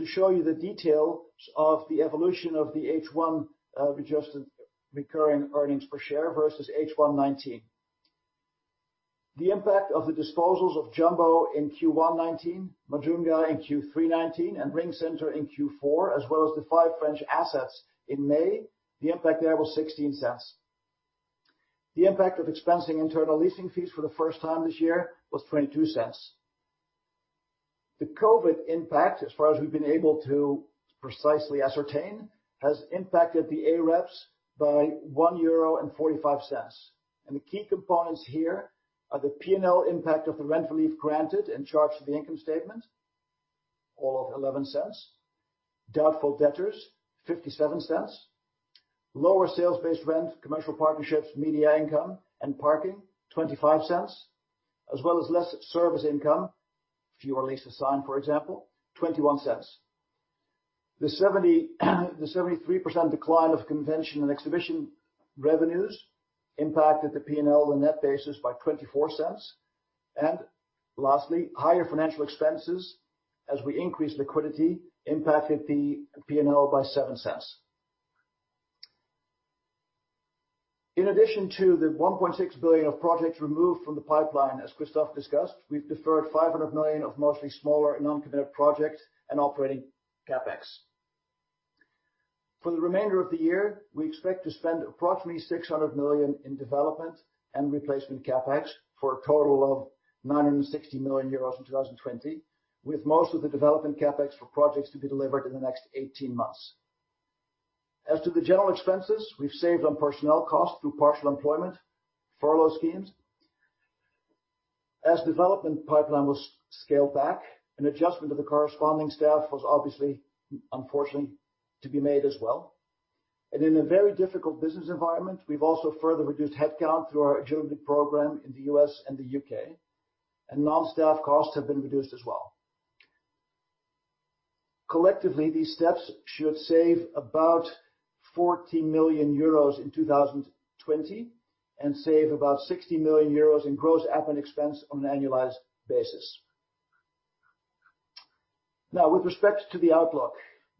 to show you the details of the evolution of the H1, adjusted recurring earnings per share versus H1 2019. The impact of the disposals of Jumbo in Q1 2019, Majunga in Q3 2019, and Ring-Center in Q4, as well as the five French assets in May, the impact there was 0.16. The impact of expensing internal leasing fees for the first time this year was 0.22. The COVID impact, as far as we've been able to precisely ascertain, has impacted the AREPS by 1.45 euro. The key components here are the P&L impact of the rent relief granted and charged to the income statement, all of 0.11; doubtful debtors, 0.57; lower sales-based rent, commercial partnerships, media income, and parking, 0.25; as well as less service income, fewer leases signed, for example, 0.21. The 73% decline of convention and exhibition revenues impacted the P&L on a net basis by 0.24. Lastly, higher financial expenses, as we increased liquidity, impacted the P&L by 0.07. In addition to the 1.6 billion of projects removed from the pipeline, as Christophe discussed, we have deferred 500 million of mostly smaller non-committed projects and operating CapEx. For the remainder of the year, we expect to spend approximately 600 million in development and replacement CapEx for a total of 960 million euros in 2020, with most of the development CapEx for projects to be delivered in the next 18 months. As to the general expenses, we've saved on personnel costs through partial employment, furlough schemes. As development pipeline was scaled back, an adjustment of the corresponding staff was obviously, unfortunately, to be made as well, and in a very difficult business environment, we've also further reduced headcount through our agility program in the U.S. and the U.K., and non-staff costs have been reduced as well. Collectively, these steps should save about 40 million euros in 2020, and save about 60 million euros in gross admin expense on an annualized basis. Now, with respect to the outlook,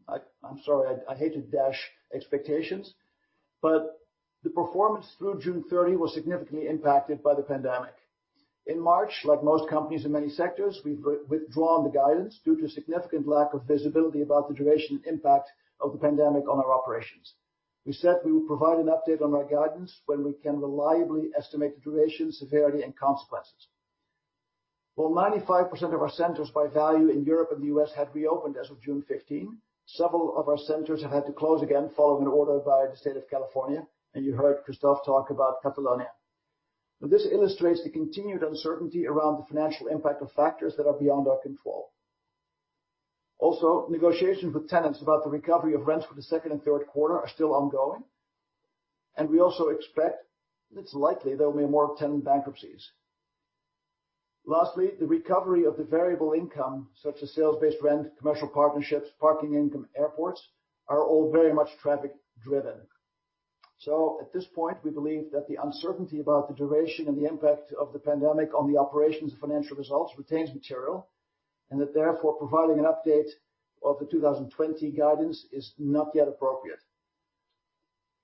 I'm sorry, I hate to dash expectations, but the performance through June 30 was significantly impacted by the pandemic. In March, like most companies in many sectors, we've withdrawn the guidance due to significant lack of visibility about the duration and impact of the pandemic on our operations. We said we would provide an update on our guidance when we can reliably estimate the duration, severity, and consequences. While 95% of our centers by value in Europe and the US have reopened as of June 15, several of our centers have had to close again following an order by the state of California, and you heard Christophe talk about Catalonia. But this illustrates the continued uncertainty around the financial impact of factors that are beyond our control. Also, negotiations with tenants about the recovery of rents for the second and third quarter are still ongoing, and we also expect, and it's likely, there will be more tenant bankruptcies. Lastly, the recovery of the variable income, such as sales-based rent, commercial partnerships, parking income, airports, are all very much traffic driven. So at this point, we believe that the uncertainty about the duration and the impact of the pandemic on the operations and financial results remains material, and that therefore, providing an update of the 2020 guidance is not yet appropriate.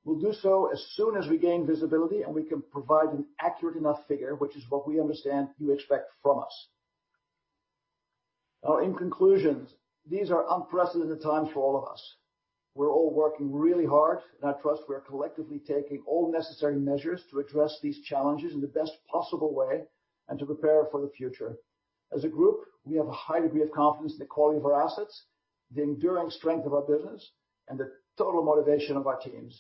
We'll do so as soon as we gain visibility, and we can provide an accurate enough figure, which is what we understand you expect from us. Now, in conclusion, these are unprecedented times for all of us. We're all working really hard, and I trust we are collectively taking all necessary measures to address these challenges in the best possible way and to prepare for the future. As a group, we have a high degree of confidence in the quality of our assets, the enduring strength of our business, and the total motivation of our teams.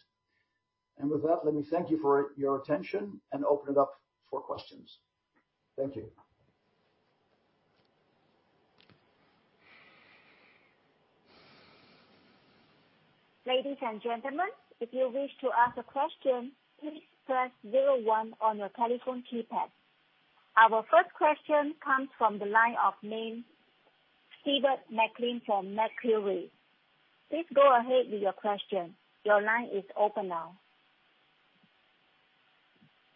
And with that, let me thank you for your attention and open it up for questions. Thank you. Ladies and gentlemen, if you wish to ask a question, please press zero one on your telephone keypad. Our first question comes from the line of Stuart McLean from Macquarie. Please go ahead with your question. Your line is open now.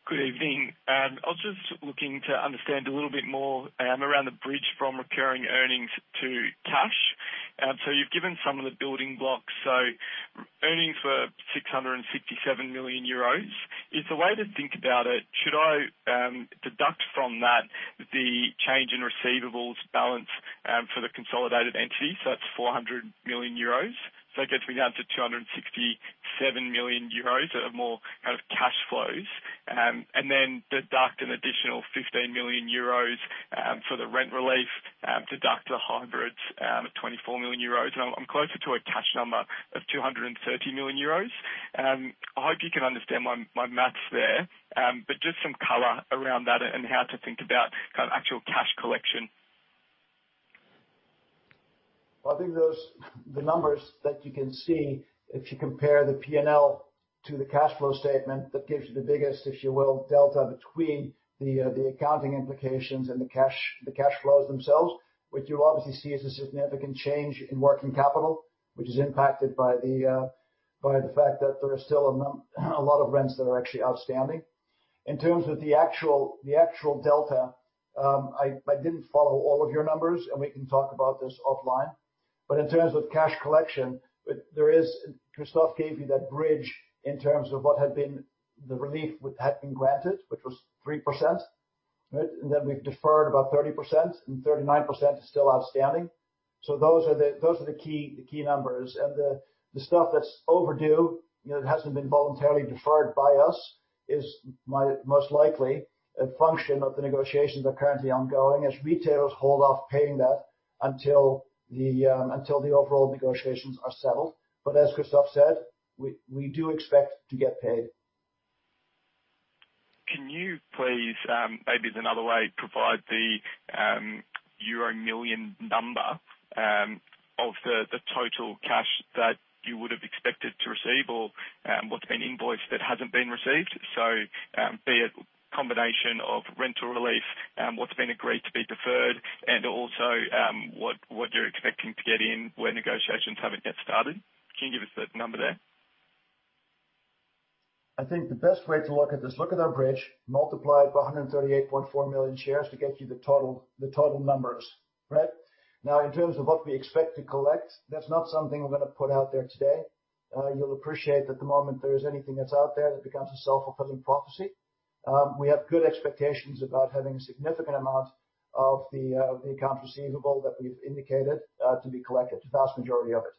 Good evening. I was just looking to understand a little bit more, around the bridge from recurring earnings to cash. So you've given some of the building blocks. So earnings were 667 million euros. Is the way to think about it, should I, deduct from that the change in receivables balance, for the consolidated entity? So that's 400 million euros. So it gets me down to 267 million euros that are more kind of cash flows. And then deduct an additional 15 million euros, for the rent relief, deduct 124 million euros, and I'm closer to a cash number of 230 million euros. I hope you can understand my math there. But just some color around that and how to think about kind of actual cash collection. I think those, the numbers that you can see, if you compare the P&L to the cash flow statement, that gives you the biggest, if you will, delta between the accounting implications and the cash flows themselves. What you'll obviously see is a significant change in working capital, which is impacted by the fact that there are still a lot of rents that are actually outstanding. In terms of the actual delta, I didn't follow all of your numbers, and we can talk about this offline. But in terms of cash collection, there is. Christophe gave you that bridge in terms of what had been the relief which had been granted, which was 3%, right? And then we've deferred about 30%, and 39% is still outstanding. So those are the key numbers. And the stuff that's overdue, you know, that hasn't been voluntarily deferred by us, is most likely a function of the negotiations that are currently ongoing, as retailers hold off paying that until the overall negotiations are settled. But as Christophe said, we do expect to get paid. Can you please, maybe there's another way, provide the, euro million number, of the, the total cash that you would have expected to receive or, what's been invoiced that hasn't been received? Be it combination of rental relief and what's been agreed to be deferred, and also, what, what you're expecting to get in, where negotiations haven't yet started. Can you give us that number there? I think the best way to look at this, look at our bridge, multiply it by 138.4 million shares to get you the total numbers, right? Now, in terms of what we expect to collect, that's not something we're gonna put out there today. You'll appreciate that the moment there is anything that's out there, that becomes a self-fulfilling prophecy. We have good expectations about having a significant amount of the accounts receivable that we've indicated to be collected, the vast majority of it.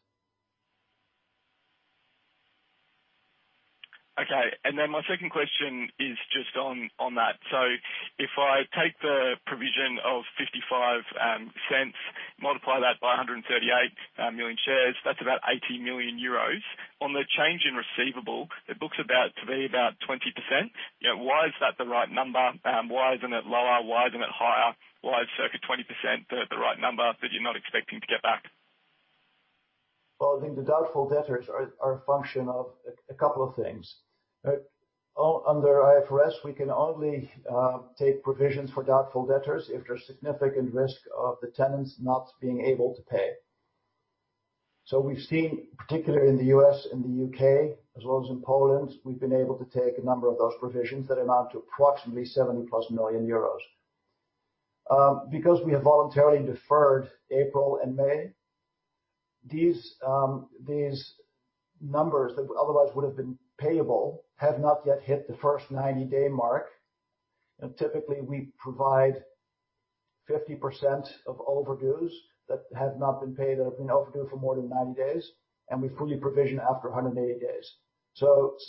Okay. And then my second question is just on that. So if I take the provision of €0.55, multiply that by 138 million shares, that's about 80 million euros. On the change in receivable, it looks to be about 20%. You know, why is that the right number? Why isn't it lower? Why isn't it higher? Why is circa 20% the right number that you're not expecting to get back? I think the doubtful debtors are a function of a couple of things. Under IFRS, we can only take provisions for doubtful debtors if there's significant risk of the tenants not being able to pay. So we've seen, particularly in the U.S. and the U.K., as well as in Poland, we've been able to take a number of those provisions that amount to approximately 70+ million euros. Because we have voluntarily deferred April and May, these numbers that otherwise would have been payable have not yet hit the first 90-day mark. Typically, we provide 50% of overdues that have not been paid that have been overdue for more than 90 days, and we fully provision after 180 days.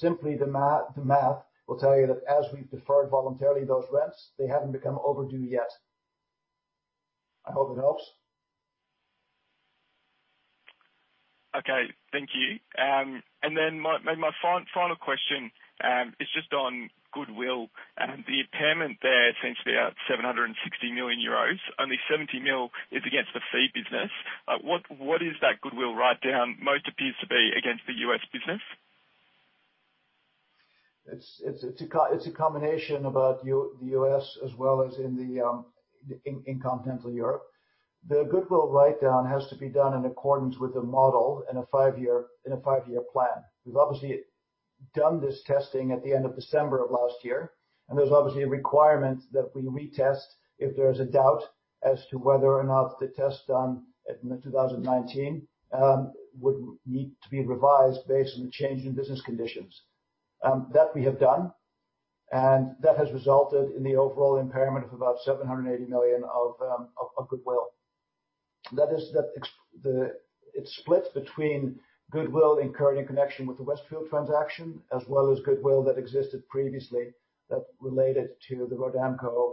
Simply the math will tell you that as we've deferred voluntarily those rents, they haven't become overdue yet. I hope it helps. Okay, thank you. And then my final question is just on goodwill, and the impairment there seems to be at 760 million euros. Only 70 million is against the fee business. What is that goodwill write-down? Most appears to be against the US business. It's a combination about the US as well as in continental Europe. The goodwill write-down has to be done in accordance with the model in a five-year plan. We've obviously done this testing at the end of December of last year, and there's obviously a requirement that we retest if there's a doubt as to whether or not the test done in 2019 would need to be revised based on the change in business conditions. That we have done, and that has resulted in the overall impairment of about 780 million of goodwill. That is, it's split between goodwill incurred in connection with the Westfield transaction, as well as goodwill that existed previously, that related to the Rodamco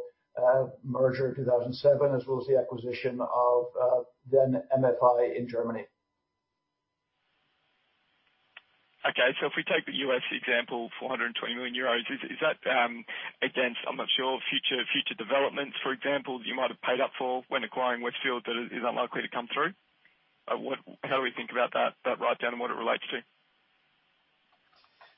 merger in 2007, as well as the acquisition of then MFI in Germany. Okay, so if we take the U.S. example, 420 million euros, is that against, I'm not sure, future developments, for example, you might have paid up for when acquiring Westfield, that is unlikely to come through? How do we think about that write-down and what it relates to?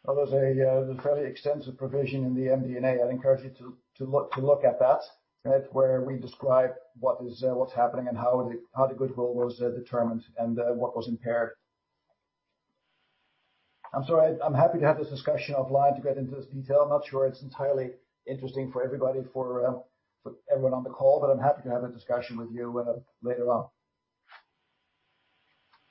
Well, there's a fairly extensive provision in the MD&A. I'd encourage you to look at that. That's where we describe what is, what's happening and how the goodwill was determined and what was impaired. I'm sorry, I'm happy to have this discussion offline to get into this detail. I'm not sure it's entirely interesting for everybody, for everyone on the call, but I'm happy to have a discussion with you later on.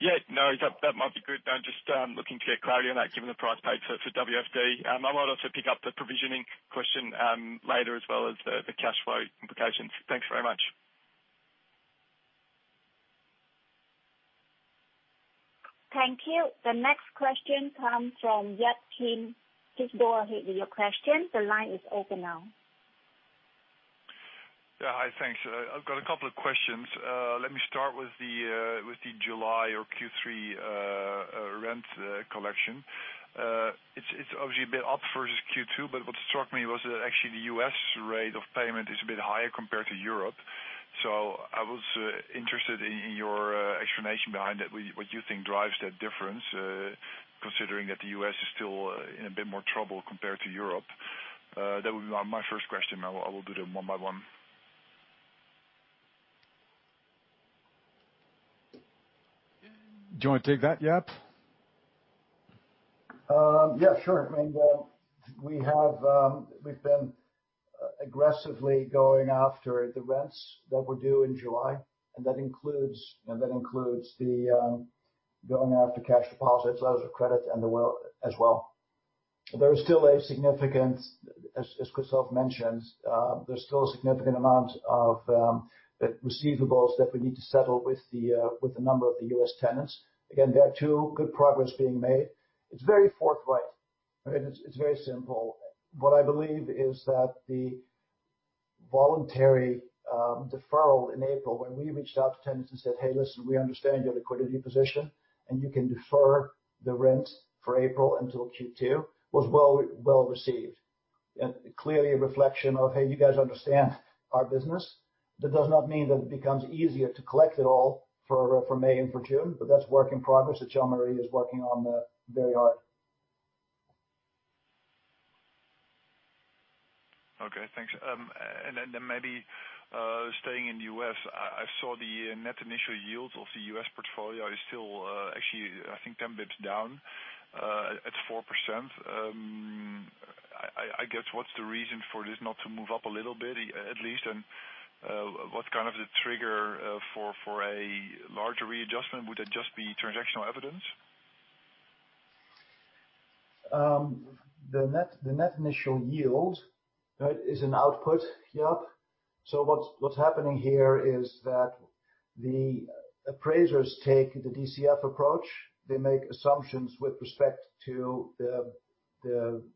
Yeah, no, that might be good. I'm just looking to get clarity on that, given the price paid for WFD. I might also pick up the provisioning question later, as well as the cash flow implications. Thanks very much. Thank you. The next question comes from Jaap Kuin. Please go ahead with your question. The line is open now. Yeah, hi, thanks. I've got a couple of questions. Let me start with the July or Q3 rent collection. It's obviously a bit up versus Q2, but what struck me was that actually the US rate of payment is a bit higher compared to Europe. So I was interested in your explanation behind that. What you think drives that difference, considering that the US is still in a bit more trouble compared to Europe? That would be my first question. I will do them one by one. Do you want to take that, Jaap? Yeah, sure. I mean, we have, we've been aggressively going after the rents that were due in July, and that includes going after cash deposits, letters of credit, and the bill as well. There is still a significant, as Christophe mentioned, there's still a significant amount of the receivables that we need to settle with the number of the US tenants. Again, there's good progress being made. It's very forthright, right? It's very simple. What I believe is that the voluntary deferral in April, when we reached out to tenants and said, "Hey, listen, we understand your liquidity position, and you can defer the rent for April until Q2," was well received. And clearly a reflection of, "Hey, you guys understand our business." That does not mean that it becomes easier to collect it all for May and for June, but that's work in progress that Jean-Marie is working on very hard. Okay, thanks, and then maybe staying in the U.S., I saw the net initial yield of the U.S. portfolio is still actually, I think, ten basis points down at 4%. I guess, what's the reason for this not to move up a little bit, at least? And what's kind of the trigger for a larger readjustment? Would that just be transactional evidence? The net initial yield, right, is an output, Jaap. So what's happening here is that the appraisers take the DCF approach. They make assumptions with respect to the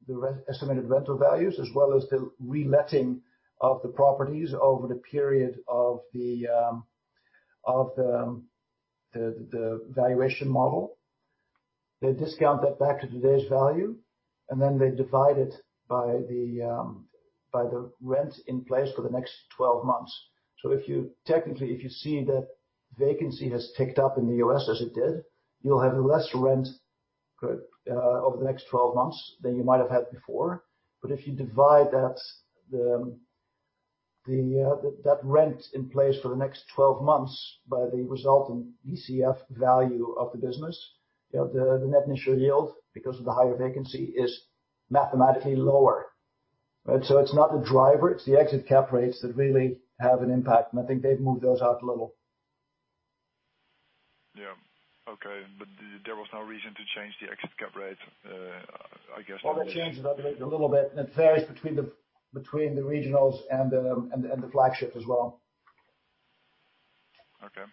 re-estimated rental values, as well as the reletting of the properties over the period of the valuation model. They discount that back to today's value, and then they divide it by the rent in place for the next 12 months. So if you technically, if you see that vacancy has ticked up in the US, as it did, you'll have less rent over the next 12 months than you might have had before. But if you divide that rent in place for the next twelve months by the resulting DCF value of the business, you know, the net initial yield, because of the higher vacancy, is mathematically lower, right? So it's not the driver, it's the exit cap rates that really have an impact, and I think they've moved those out a little. Yeah. Okay. But there was no reason to change the exit cap rate, I guess- It changed a little bit, and it varies between the regionals and the flagship as well. Okay.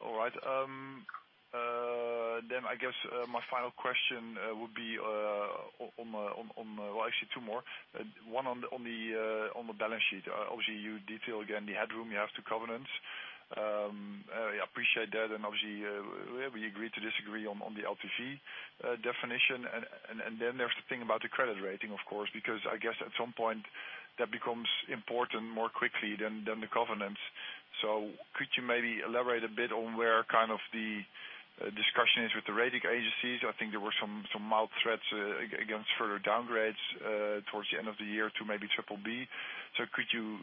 All right. Then I guess my final question would be on... Well, actually two more. One on the balance sheet. Obviously, you detailed again the headroom you have to covenants. I appreciate that, and obviously we agree to disagree on the LTV definition. And then there's the thing about the credit rating, of course, because I guess at some point that becomes important more quickly than the covenants. So could you maybe elaborate a bit on where kind of the discussion is with the rating agencies? I think there were some mild threats against further downgrades towards the end of the year to maybe BBB. So could you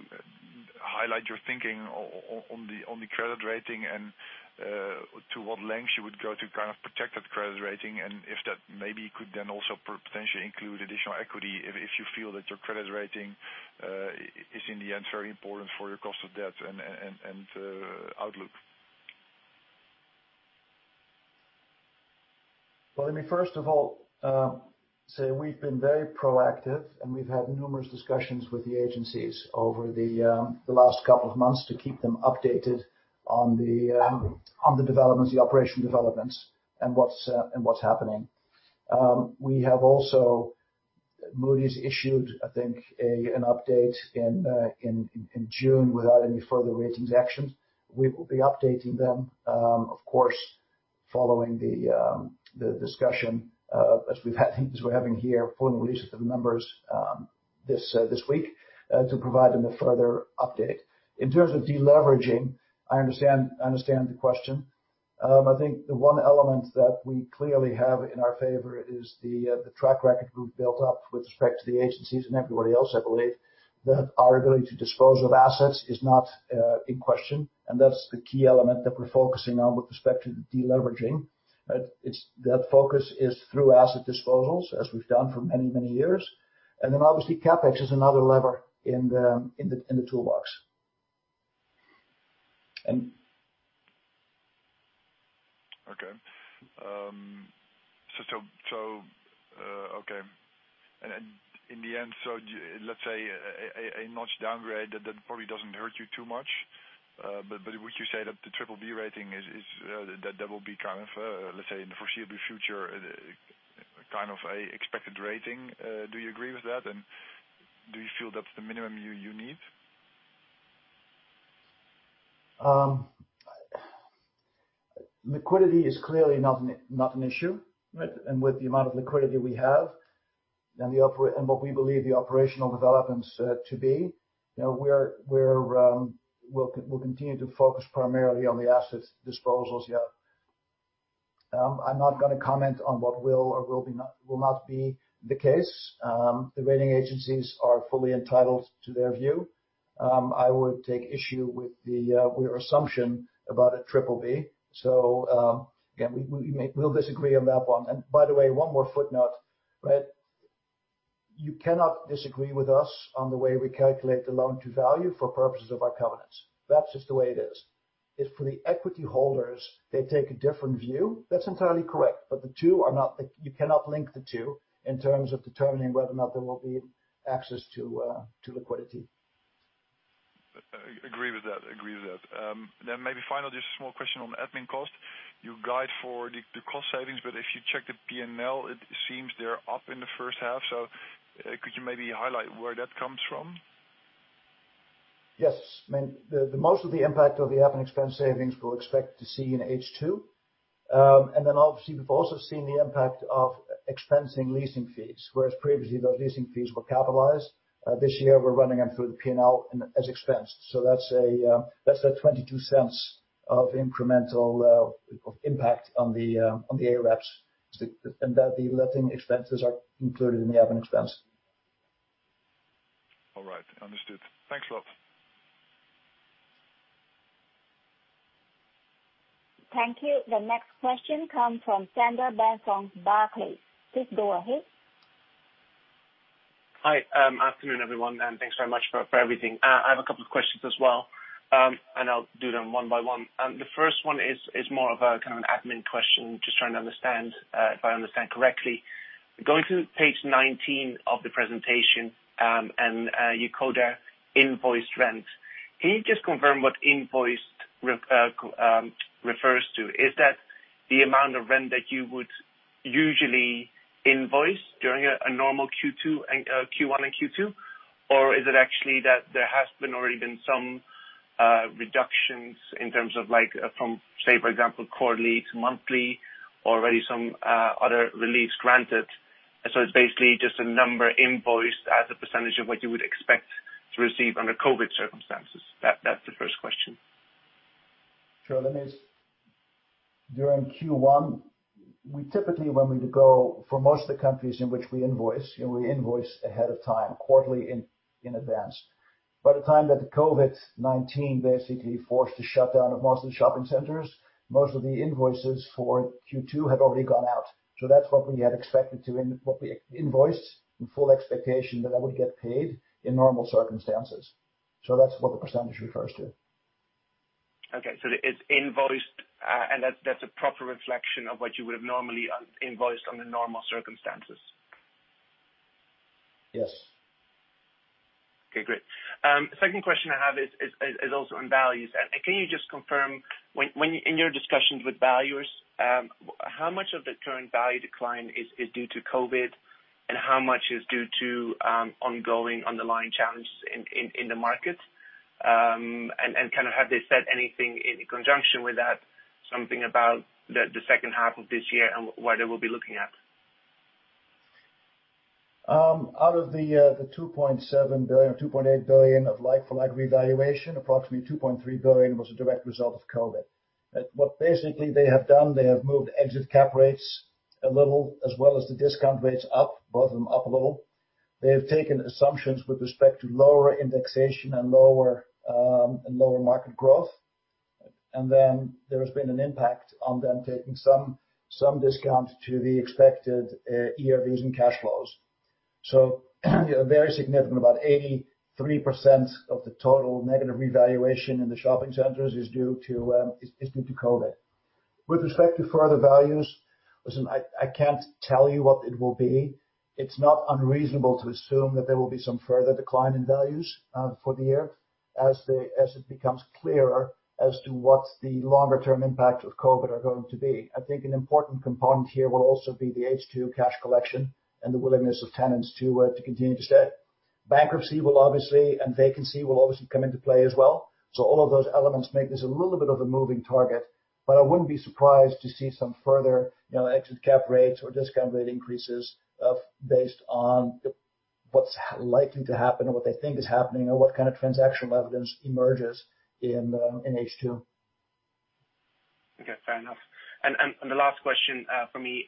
highlight your thinking on the credit rating, and to what lengths you would go to kind of protect that credit rating? And if that maybe could then also potentially include additional equity, if you feel that your credit rating is in the end very important for your cost of debt and outlook. Let me first of all say we've been very proactive, and we've had numerous discussions with the agencies over the last couple of months to keep them updated on the developments, the operation developments, and what's happening. We have also. Moody's issued, I think, an update in June without any further ratings actions. We will be updating them, of course, following the discussion, as we're having here, following the release of the numbers, this week, to provide them a further update. In terms of deleveraging, I understand the question. I think the one element that we clearly have in our favor is the track record we've built up with respect to the agencies and everybody else. I believe that our ability to dispose of assets is not in question, and that's the key element that we're focusing on with respect to the deleveraging. But that focus is through asset disposals, as we've done for many, many years. And then, obviously, CapEx is another lever in the toolbox. In the end, let's say a notch downgrade, that then probably doesn't hurt you too much. But would you say that the BBB rating is that will be kind of, let's say, in the foreseeable future, kind of an expected rating? Do you agree with that, and do you feel that's the minimum you need? Liquidity is clearly not an issue, right? And with the amount of liquidity we have and what we believe the operational developments to be, you know, we'll continue to focus primarily on the assets disposals, yeah. I'm not gonna comment on what will or will not be the case. The rating agencies are fully entitled to their view. I would take issue with your assumption about a BBB. So, again, we'll disagree on that one. And by the way, one more footnote, right? You cannot disagree with us on the way we calculate the loan-to-value for purposes of our covenants. That's just the way it is. If for the equity holders, they take a different view, that's entirely correct, but the two are not, you cannot link the two in terms of determining whether or not there will be access to liquidity. I agree with that. Agree with that. Then maybe finally, just a small question on admin cost. You guide for the cost savings, but if you check the P&L, it seems they're up in the first half. So could you maybe highlight where that comes from? Yes. I mean, the most of the impact of the admin expense savings, we'll expect to see in H2. And then obviously, we've also seen the impact of expensing leasing fees, whereas previously, those leasing fees were capitalized. This year, we're running them through the P&L and as expense. So that's the 0.22 of incremental impact on the AREPS, and that the letting expenses are included in the admin expense. All right, understood. Thanks a lot. Thank you. The next question comes from Sander Bunck from Barclays. Please go ahead. Hi, afternoon, everyone, and thanks very much for everything. I have a couple of questions as well, and I'll do them one by one. The first one is more of a kind of an admin question, just trying to understand if I understand correctly. Going to page 19 of the presentation, and you call that invoiced rent. Can you just confirm what invoiced rent refers to? Is that the amount of rent that you would usually invoice during a normal Q1 and Q2? Or is it actually that there has already been some reductions in terms of like, from, say, for example, quarterly to monthly, already some other reliefs granted. So it's basically just a number invoiced as a percentage of what you would expect to receive under COVID circumstances. That's the first question. Sure. That means during Q1, we typically, when we go for most of the countries in which we invoice, and we invoice ahead of time, quarterly in advance. By the time that the COVID-19 basically forced the shutdown of most of the shopping centers, most of the invoices for Q2 had already gone out. So that's what we had expected to what we invoiced in full expectation that I would get paid in normal circumstances. So that's what the percentage refers to. Okay. So it's invoiced, and that's a proper reflection of what you would have normally invoiced under normal circumstances? Yes. Okay, great. Second question I have is also on valuations. And can you just confirm when in your discussions with valuers how much of the current value decline is due to COVID, and how much is due to ongoing underlying challenges in the market? And kind of, have they said anything in conjunction with that, something about the second half of this year and what they will be looking at? Out of the 2.7 billion, or 2.8 billion of like-for-like revaluation, approximately 2.3 billion was a direct result of COVID. But what basically they have done, they have moved exit cap rates a little, as well as the discount rates up, both of them up a little. They have taken assumptions with respect to lower indexation and lower and lower market growth. And then there has been an impact on them taking some discount to the expected ERVs and cash flows. So very significant, about 83% of the total negative revaluation in the shopping centers is due to COVID. With respect to further values, listen, I can't tell you what it will be. It's not unreasonable to assume that there will be some further decline in values for the year, as it becomes clearer as to what the longer term impact of COVID are going to be. I think an important component here will also be the H2 cash collection and the willingness of tenants to continue to stay. Bankruptcy will obviously, and vacancy will obviously come into play as well. So all of those elements make this a little bit of a moving target, but I wouldn't be surprised to see some further, you know, exit cap rates or discount rate increases of, based on the, what's likely to happen or what they think is happening or what kind of transaction evidence emerges in H2. Okay, fair enough. And the last question from me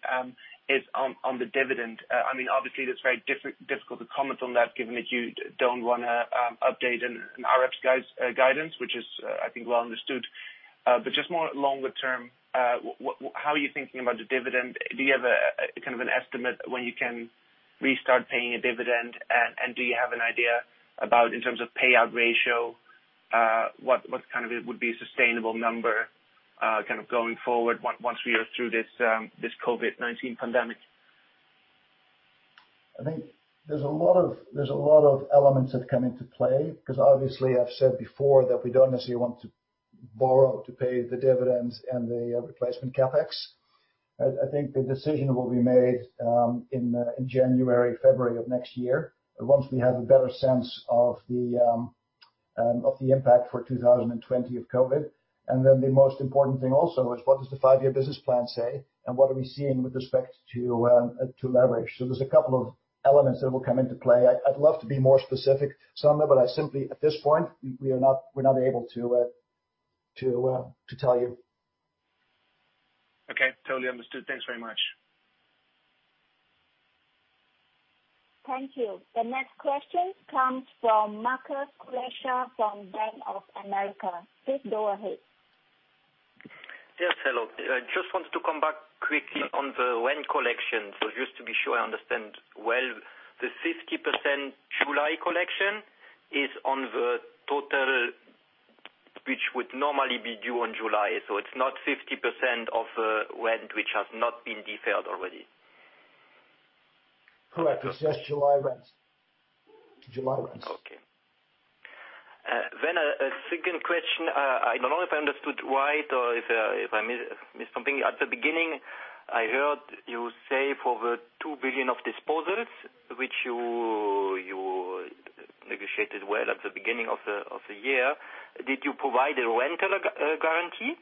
is on the dividend. I mean, obviously, that's very difficult to comment on that, given that you don't wanna update an RF guidance, which is, I think, well understood. But just more longer term, how are you thinking about the dividend? Do you have a kind of an estimate when you can restart paying a dividend? And do you have an idea about, in terms of payout ratio, what kind of it would be a sustainable number, kind of going forward, once we are through this COVID-19 pandemic? I think there's a lot of elements that come into play, because obviously, I've said before that we don't necessarily want to borrow to pay the dividends and the replacement CapEx. I think the decision will be made in January, February of next year, once we have a better sense of the impact for 2020 of COVID. And then the most important thing also is what does the five-year business plan say? And what are we seeing with respect to leverage? So there's a couple of elements that will come into play. I'd love to be more specific, Sander, but I simply at this point we are not, we're not able to tell you. Okay, totally understood. Thanks very much. Thank you. The next question comes from Markus Kulessa from Bank of America. Please go ahead. Yes, hello. I just wanted to come back quickly on the rent collection. So just to be sure I understand well, the 50% July collection is on the total, which would normally be due on July. So it's not 50% of rent, which has not been deferred already? Correct. It's just July rents. July rents. Okay. Then a second question. I don't know if I understood right or if I missed something. At the beginning, I heard you say for the €2 billion of disposals, which you negotiated well at the beginning of the year, did you provide a rent guarantee?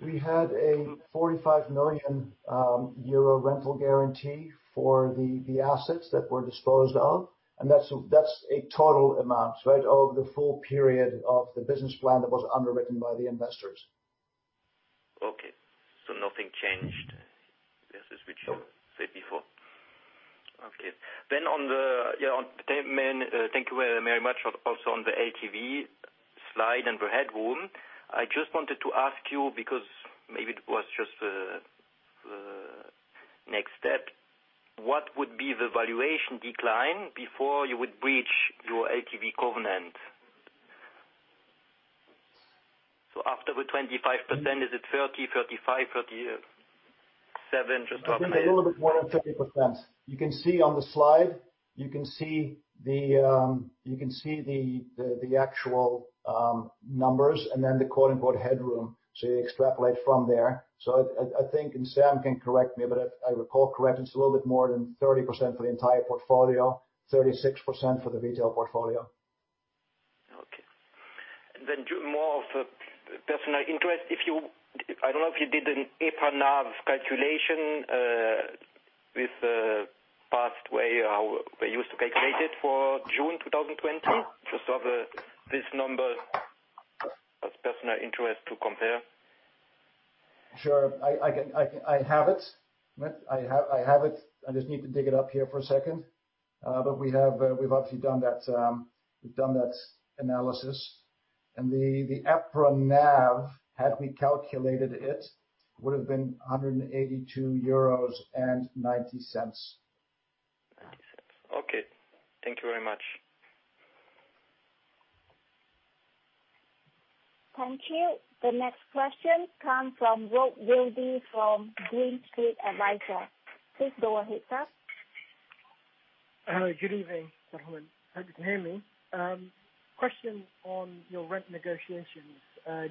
We had a 45 million euro rental guarantee for the assets that were disposed of, and that's a total amount, right, over the full period of the business plan that was underwritten by the investors. Okay. So nothing changed versus what you said before? Okay. Then on the, yeah, [inaudible] man, thank you very much. Also, on the LTV slide and the headroom, I just wanted to ask you, because maybe it was just next step, what would be the valuation decline before you would breach your LTV covenant? So after the 25%, is it 30, 35, 37, just roughly? It's a little bit more than 30%. You can see on the slide. You can see the actual numbers and then the quote, unquote, "headroom," so you extrapolate from there, so I think, and Sam can correct me, but if I recall correctly, it's a little bit more than 30% for the entire portfolio, 36% for the retail portfolio. Okay. Then more of a personal interest, if you, I don't know if you did an EPRA NAV calculation, with past way, how we used to calculate it for June 2020, just so this number of personal interest to compare. Sure. I can. I have it. I have it. I just need to dig it up here for a second. But we have, we've obviously done that, we've done that analysis. And the EPRA NAV, had we calculated it, would have been 182.90 euros. $0.90. Okay. Thank you very much. Thank you. The next question comes from Rob Virdee from Green Street Advisors. Please go ahead, sir. Good evening, gentlemen. Hope you can hear me. Question on your rent negotiations,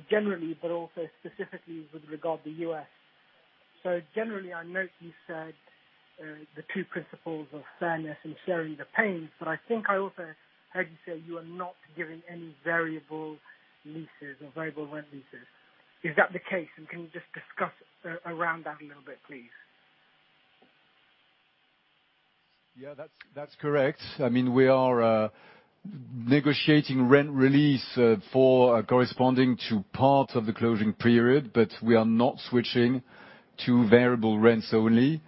generally, but also specifically with regard to U.S. So generally, I note you said the two principles of fairness and sharing the pains, but I think I also heard you say you are not giving any variable leases or variable rent leases. Is that the case? And can you just discuss around that a little bit, please? Yeah, that's, that's correct. I mean, we are negotiating rent relief for corresponding to part of the closing period, but we are not switching to variable rents only.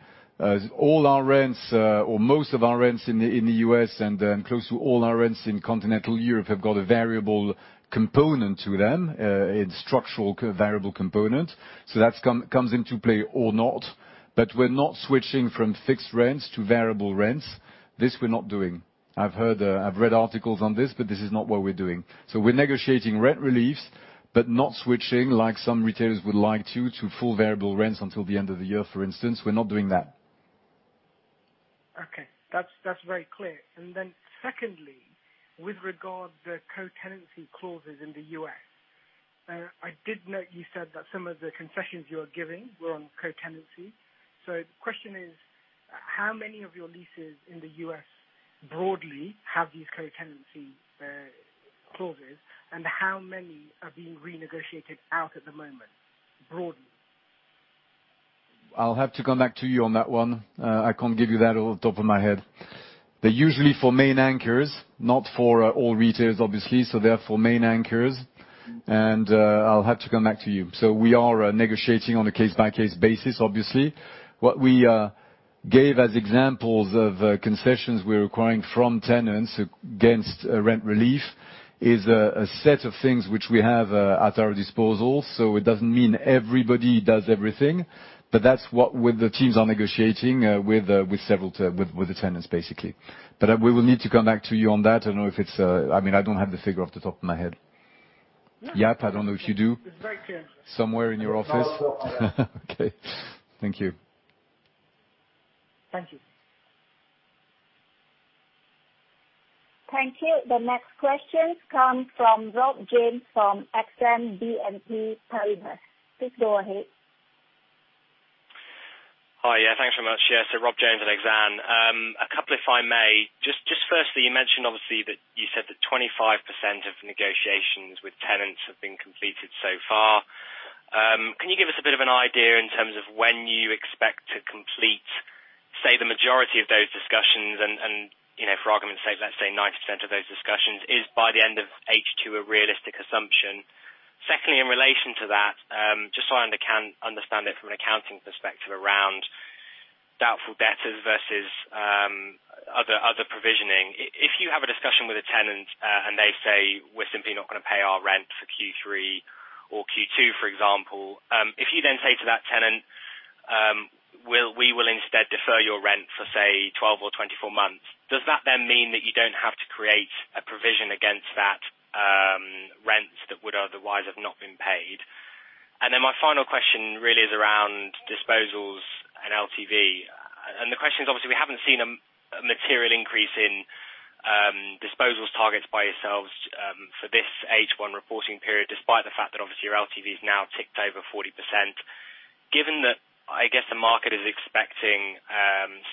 All our rents, or most of our rents in the U.S. and close to all our rents in continental Europe have got a variable component to them, a structural variable component, so that's come, comes into play or not. But we're not switching from fixed rents to variable rents. This we're not doing. I've heard, I've read articles on this, but this is not what we're doing. So we're negotiating rent reliefs, but not switching like some retailers would like to full variable rents until the end of the year, for instance. We're not doing that. Okay. That's, that's very clear. And then secondly, with regard to co-tenancy clauses in the U.S., I did note you said that some of the concessions you are giving were on co-tenancy. So the question is, how many of your leases in the U.S., broadly, have these co-tenancy clauses, and how many are being renegotiated out at the moment, broadly? I'll have to come back to you on that one. I can't give you that off the top of my head. They're usually for main anchors, not for all retailers, obviously, so they're for main anchors, and I'll have to come back to you, so we are negotiating on a case-by-case basis, obviously. What we gave as examples of concessions we're requiring from tenants against rent relief is a set of things which we have at our disposal, so it doesn't mean everybody does everything, but that's what the teams are negotiating with several with the tenants, basically, but we will need to come back to you on that. I don't know if it's... I mean, I don't have the figure off the top of my head. Jaap, I don't know if you do- Somewhere in your office. Okay. Thank you. Thank you. Thank you. The next question comes from Rob Jones, from Exane BNP Paribas. Please go ahead. Hi, yeah, thanks very much. Yeah, so Rob Jones at Exane. A couple, if I may. Just firstly, you mentioned obviously that you said that 25% of negotiations with tenants have been completed so far. Can you give us a bit of an idea in terms of when you expect to complete, say, the majority of those discussions and, you know, for argument's sake, let's say 90% of those discussions. Is by the end of H2 a realistic assumption? Secondly, in relation to that, just so I understand it from an accounting perspective around doubtful debtors versus other provisioning. If you have a discussion with a tenant, and they say, "We're simply not gonna pay our rent for Q3 or Q2," for example, if you then say to that tenant, "We will instead defer your rent for, say, 12 or 24 months," does that then mean that you don't have to create a provision against that, rents that would otherwise have not been paid? And then my final question really is around disposals and LTV. And the question is, obviously, we haven't seen a material increase in, disposals targets by yourselves, for this H1 reporting period, despite the fact that, obviously, your LTV has now ticked over 40%. Given that, I guess, the market is expecting,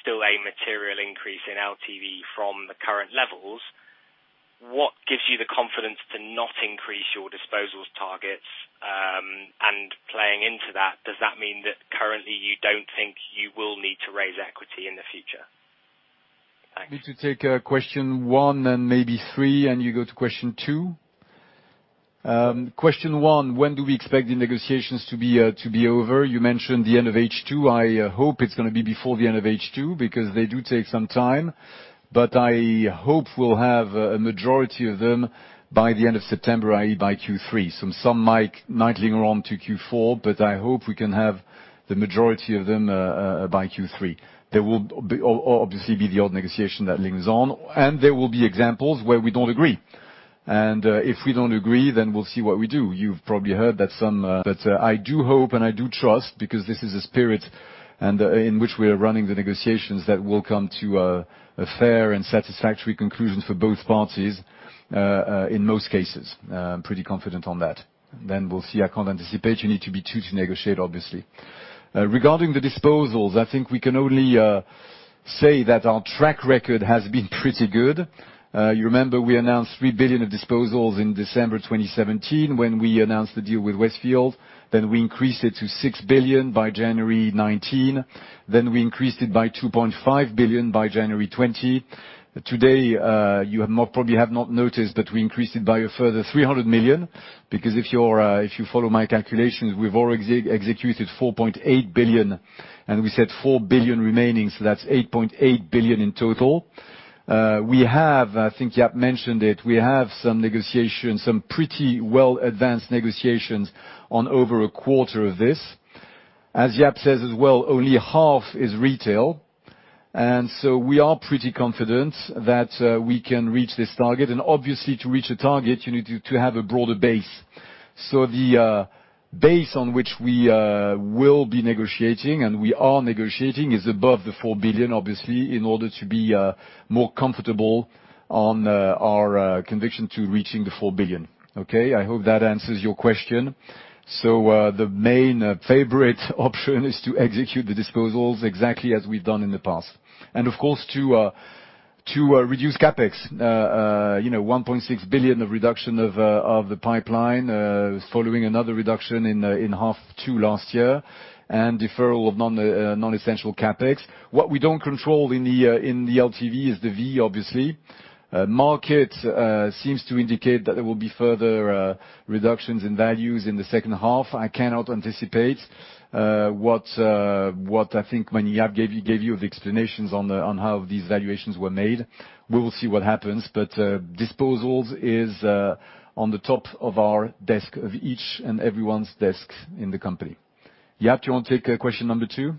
still a material increase in LTV from the current levels, what gives you the confidence to not increase your disposals targets? And playing into that, does that mean that currently you don't think you will need to raise equity in the future? I need to take question one and maybe three, and you go to question two. Question one: When do we expect the negotiations to be over? You mentioned the end of H2. I hope it's gonna be before the end of H2, because they do take some time. But I hope we'll have a majority of them by the end of September, i.e., by Q3. Some might linger on to Q4, but I hope we can have the majority of them by Q3. There will obviously be the odd negotiation that lingers on, and there will be examples where we don't agree, and if we don't agree, then we'll see what we do. You've probably heard that some... I do hope and I do trust, because this is the spirit and in which we are running the negotiations, that we'll come to a fair and satisfactory conclusion for both parties in most cases. I'm pretty confident on that. Then we'll see. I can't anticipate. You need to be two to negotiate, obviously. Regarding the disposals, I think we can only say that our track record has been pretty good. You remember we announced 3 billion of disposals in December 2017, when we announced the deal with Westfield, then we increased it to 6 billion by January 2019, then we increased it by 2.5 billion by January 2020. Today, probably have not noticed, but we increased it by a further 300 million, because if you're, if you follow my calculations, we've already executed 4.8 billion, and we said 4 billion remaining, so that's 8.8 billion in total. We have, I think Jaap mentioned it, we have some negotiations, some pretty well-advanced negotiations on over a quarter of this. As Jaap says, as well, only half is retail. And so we are pretty confident that we can reach this target. And obviously, to reach a target, you need to have a broader base. So the base on which we will be negotiating, and we are negotiating, is above the 4 billion, obviously, in order to be more comfortable on our conviction to reaching the 4 billion. Okay? I hope that answers your question. The main favorite option is to execute the disposals exactly as we've done in the past. And, of course, to reduce CapEx, you know, 1.6 billion of reduction of the pipeline, following another reduction in half two last year, and deferral of non-essential CapEx. What we don't control in the LTV is the V, obviously. Market seems to indicate that there will be further reductions in values in the second half. I cannot anticipate what I think when Jaap gave you the explanations on how these valuations were made. We will see what happens, but disposals is on the top of our desk, of each and everyone's desk in the company. Jaap, do you want to take question number two?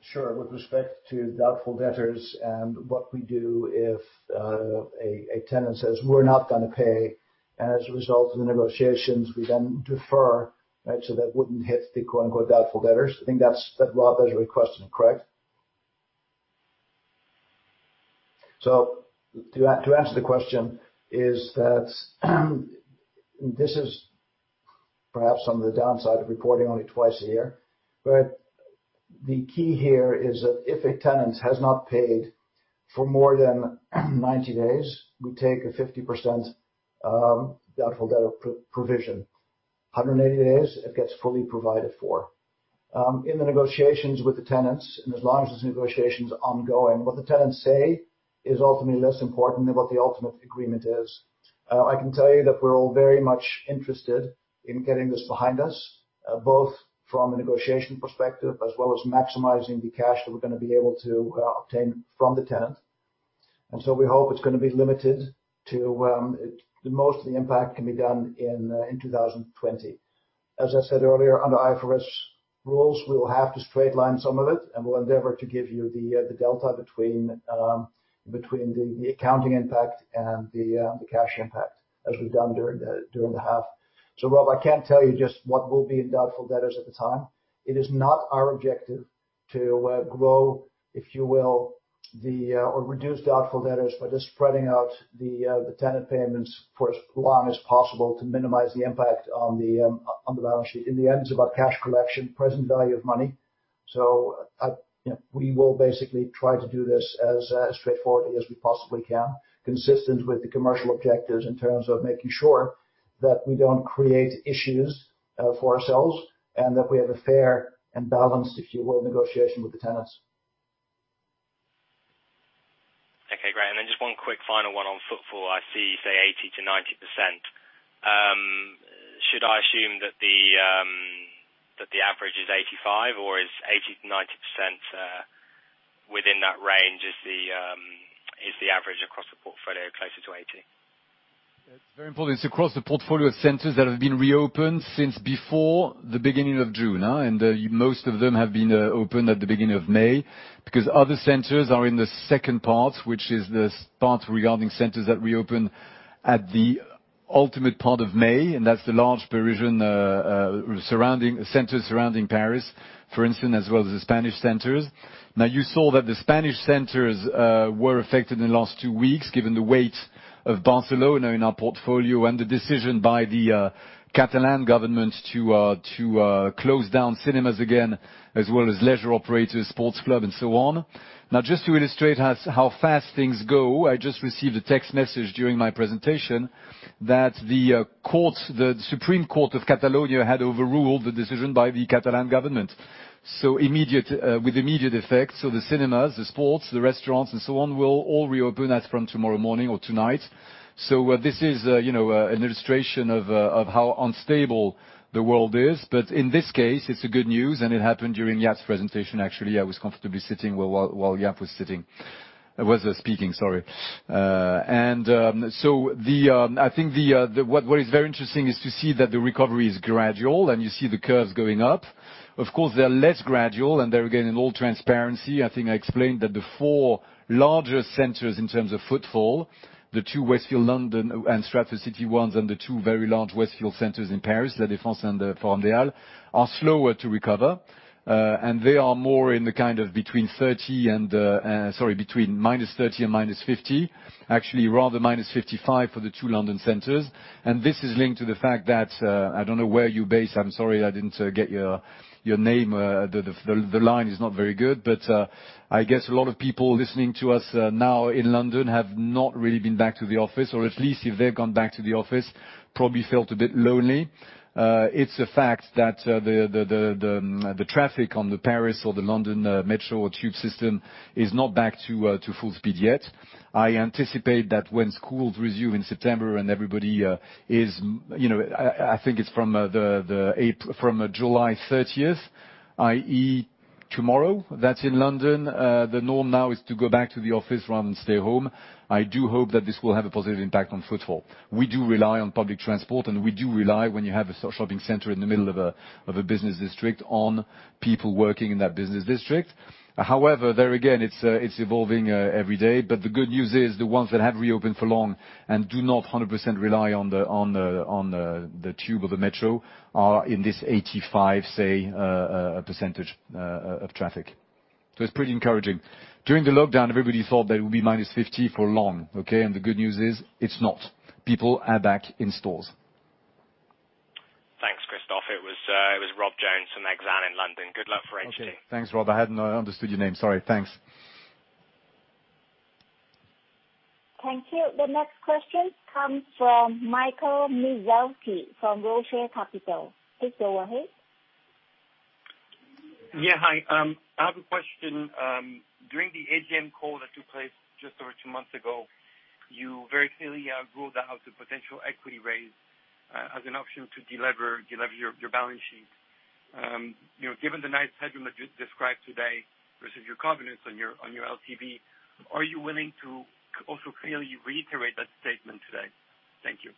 Sure. With respect to doubtful debtors and what we do if a tenant says, "We're not gonna pay," and as a result of the negotiations, we then defer, right? So that wouldn't hit the, quote, unquote, "doubtful debtors." I think that's what Rob is requesting, correct? So to answer the question, this is perhaps on the downside of reporting only twice a year. But the key here is that if a tenant has not paid for more than 90 days, we take a 50% doubtful debtor provision. 180 days, it gets fully provided for. In the negotiations with the tenants, and as long as this negotiation's ongoing, what the tenants say is ultimately less important than what the ultimate agreement is. I can tell you that we're all very much interested in getting this behind us, both from a negotiation perspective, as well as maximizing the cash that we're gonna be able to obtain from the tenant. And so we hope it's gonna be limited to, the most of the impact can be done in 2020. As I said earlier, under IFRS rules, we will have to straight line some of it, and we'll endeavor to give you the delta between the accounting impact and the cash impact, as we've done during the half. So Rob, I can't tell you just what will be in doubtful debtors at the time. It is not our objective to grow, if you will, the or reduce doubtful debtors by just spreading out the tenant payments for as long as possible to minimize the impact on the balance sheet. In the end, it's about cash collection, present value of money, so I, you know, we will basically try to do this as straightforwardly as we possibly can, consistent with the commercial objectives in terms of making sure that we don't create issues for ourselves, and that we have a fair and balanced, if you will, negotiation with the tenants. ... Okay, great. And then just one quick final one on footfall. I see you say 80%-90%. Should I assume that the average is 85%, or is 80%-90% within that range, is the average across the portfolio closer to 80%? It's very important. It's across the portfolio of centers that have been reopened since before the beginning of June, and most of them have been open at the beginning of May, because other centers are in the second part, which is the part regarding centers that reopened at the ultimate part of May, and that's the large Parisian surrounding centers surrounding Paris, for instance, as well as the Spanish centers. Now, you saw that the Spanish centers were affected in the last two weeks, given the weight of Barcelona in our portfolio and the decision by the Catalan government to close down cinemas again, as well as leisure operators, sports club, and so on. Now, just to illustrate how fast things go, I just received a text message during my presentation that the court, the Supreme Court of Catalonia had overruled the decision by the Catalan government, so immediate, with immediate effect. So the cinemas, the sports, the restaurants, and so on, will all reopen as from tomorrow morning or tonight. So this is, you know, an illustration of how unstable the world is. But in this case, it's a good news, and it happened during Jaap's presentation. Actually, I was comfortably sitting while Jaap was speaking, sorry. And so the, I think what is very interesting is to see that the recovery is gradual, and you see the curves going up. Of course, they're less gradual, and they're, again, in all transparency, I think I explained that the four larger centers in terms of footfall, the two Westfield London and Stratford City ones, and the two very large Westfield centers in Paris, La Défense and the Forum des Halles, are slower to recover, and they are more in the kind of between -30% and -50%, actually rather -55% for the two London centers. And this is linked to the fact that, I don't know where you're based. I'm sorry, I didn't get your name, the line is not very good. But I guess a lot of people listening to us now in London have not really been back to the office, or at least if they've gone back to the office, probably felt a bit lonely. It's a fact that the traffic on the Paris or the London Metro or Tube system is not back to full speed yet. I anticipate that when schools resume in September and everybody is, you know. I think it's from July thirtieth, i.e., tomorrow, that's in London, the norm now is to go back to the office rather than stay home. I do hope that this will have a positive impact on footfall. We do rely on public transport, and we do rely, when you have a shopping center in the middle of a business district, on people working in that business district. However, there again, it's evolving every day. But the good news is, the ones that have reopened for long and do not 100% rely on the Tube or the Metro are in this 85%, say, of traffic. So it's pretty encouraging. During the lockdown, everybody thought that it would be minus 50% for long, okay? And the good news is, it's not. People are back in stores. Thanks, Christophe. It was Rob Jones from Exane in London. Good luck for Unibail. Okay. Thanks, Rob. I hadn't understood your name. Sorry. Thanks. Thank you. The next question comes from Michael Mizrahi from Rochdale Capital. Please go ahead. Yeah, hi. I have a question. During the AGM call that took place just over two months ago, you very clearly ruled out the potential equity raise as an option to delever your balance sheet. You know, given the nice segment that you described today versus your confidence on your LTV, are you willing to also clearly reiterate that statement today? Thank you.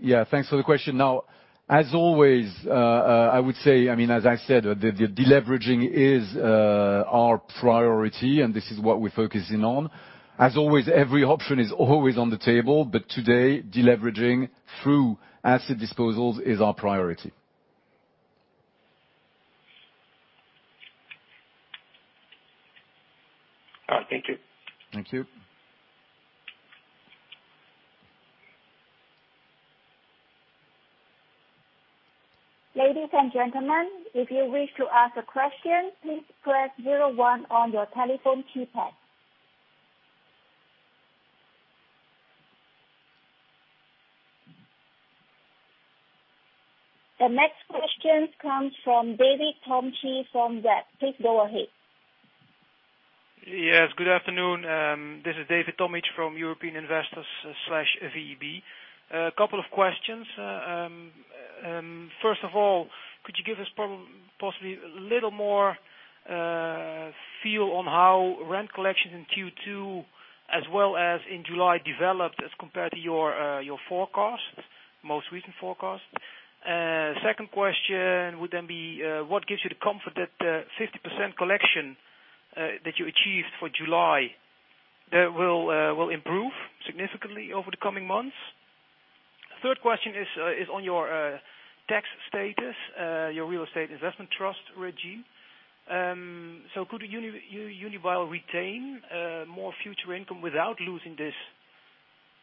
Yeah, thanks for the question. Now, as always, I would say, I mean, as I said, the deleveraging is our priority, and this is what we're focusing on. As always, every option is always on the table, but today, deleveraging through asset disposals is our priority. All right. Thank you. Thank you. Ladies and gentlemen, if you wish to ask a question, please press zero-one on your telephone keypad. The next question comes from David Tomic from VEB. Please go ahead. Yes, good afternoon. This is David Tomic from European Investors/VEB. A couple of questions. First of all, could you give us possibly a little more feel on how rent collection in Q2, as well as in July, developed as compared to your forecast, most recent forecast? Second question would then be, what gives you the comfort that 50% collection that you achieved for July will improve significantly over the coming months? Third question is on your tax status, your real estate investment trust regime. So could Unibail retain more future income without losing this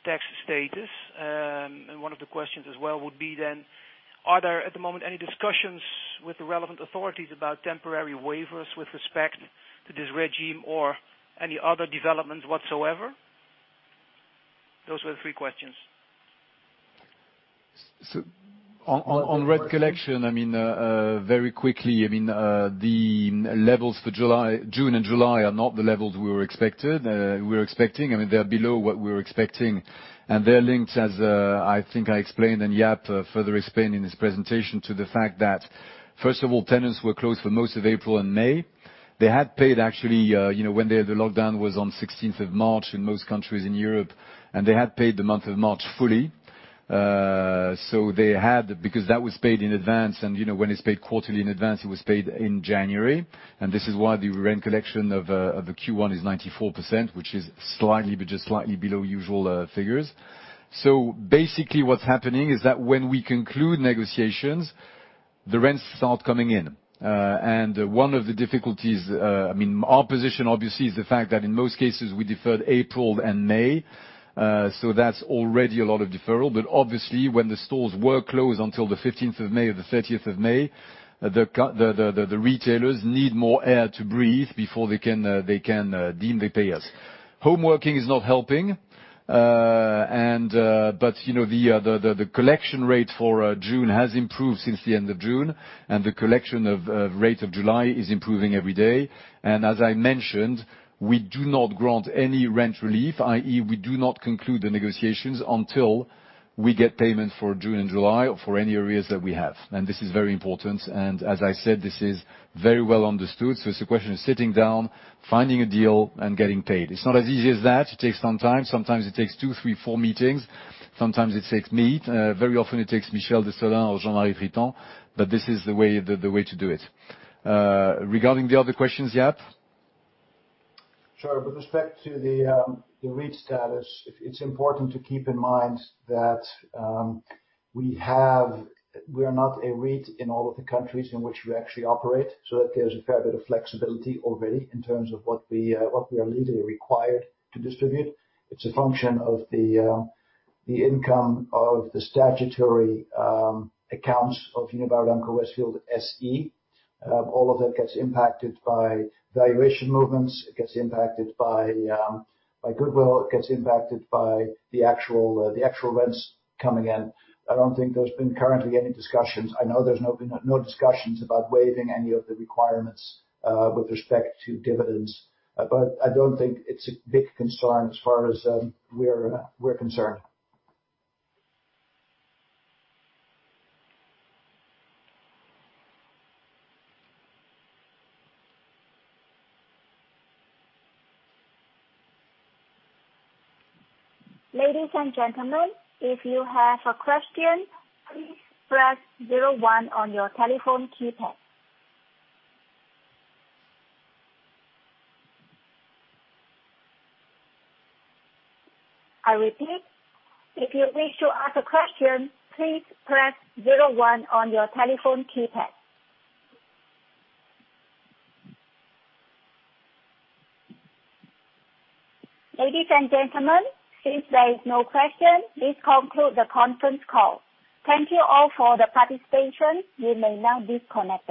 tax status? And one of the questions as well would be then, are there, at the moment, any discussions with the relevant authorities about temporary waivers with respect to this regime or any other developments whatsoever? Those were the three questions.... So on rent collection, I mean, very quickly, I mean, the levels for July, June and July are not the levels we were expected, we were expecting. I mean, they are below what we were expecting, and they're linked as, I think I explained, and Jaap further explained in his presentation, to the fact that, first of all, tenants were closed for most of April and May. They had paid, actually, you know, when the lockdown was on sixteenth of March in most countries in Europe, and they had paid the month of March fully. So they had because that was paid in advance, and, you know, when it's paid quarterly in advance, it was paid in January, and this is why the rent collection of the Q1 is 94%, which is slightly, but just slightly below usual figures. So basically, what's happening is that when we conclude negotiations, the rents start coming in. And one of the difficulties, I mean, our position obviously is the fact that in most cases we deferred April and May, so that's already a lot of deferral. But obviously, when the stores were closed until the fifteenth of May or the thirtieth of May, the retailers need more air to breathe before they can then pay us. Homeworking is not helping, and but, you know, the collection rate for June has improved since the end of June, and the collection rate of July is improving every day. And as I mentioned, we do not grant any rent relief, i.e., we do not conclude the negotiations until we get payment for June and July or for any arrears that we have. And this is very important, and as I said, this is very well understood. So it's a question of sitting down, finding a deal, and getting paid. It's not as easy as that. It takes some time. Sometimes it takes two, three, four meetings. Sometimes it takes me. Very often it takes Michel Dessolain or Jean-Marie Tritant, but this is the way to do it. Regarding the other questions, Jaap? Sure. With respect to the REIT status, it's important to keep in mind that we have we are not a REIT in all of the countries in which we actually operate, so that gives a fair bit of flexibility already in terms of what we what we are legally required to distribute. It's a function of the the income of the statutory accounts of Unibail-Rodamco-Westfield SE. All of that gets impacted by valuation movements, it gets impacted by by goodwill, it gets impacted by the actual the actual rents coming in. I don't think there's been currently any discussions. I know there's no been no discussions about waiving any of the requirements with respect to dividends. But I don't think it's a big concern as far as we're we're concerned. Ladies and gentlemen, if you have a question, please press zero one on your telephone keypad. I repeat, if you wish to ask a question, please press zero one on your telephone keypad. Ladies and gentlemen, since there is no question, this concludes the conference call. Thank you all for the participation. You may now disconnect.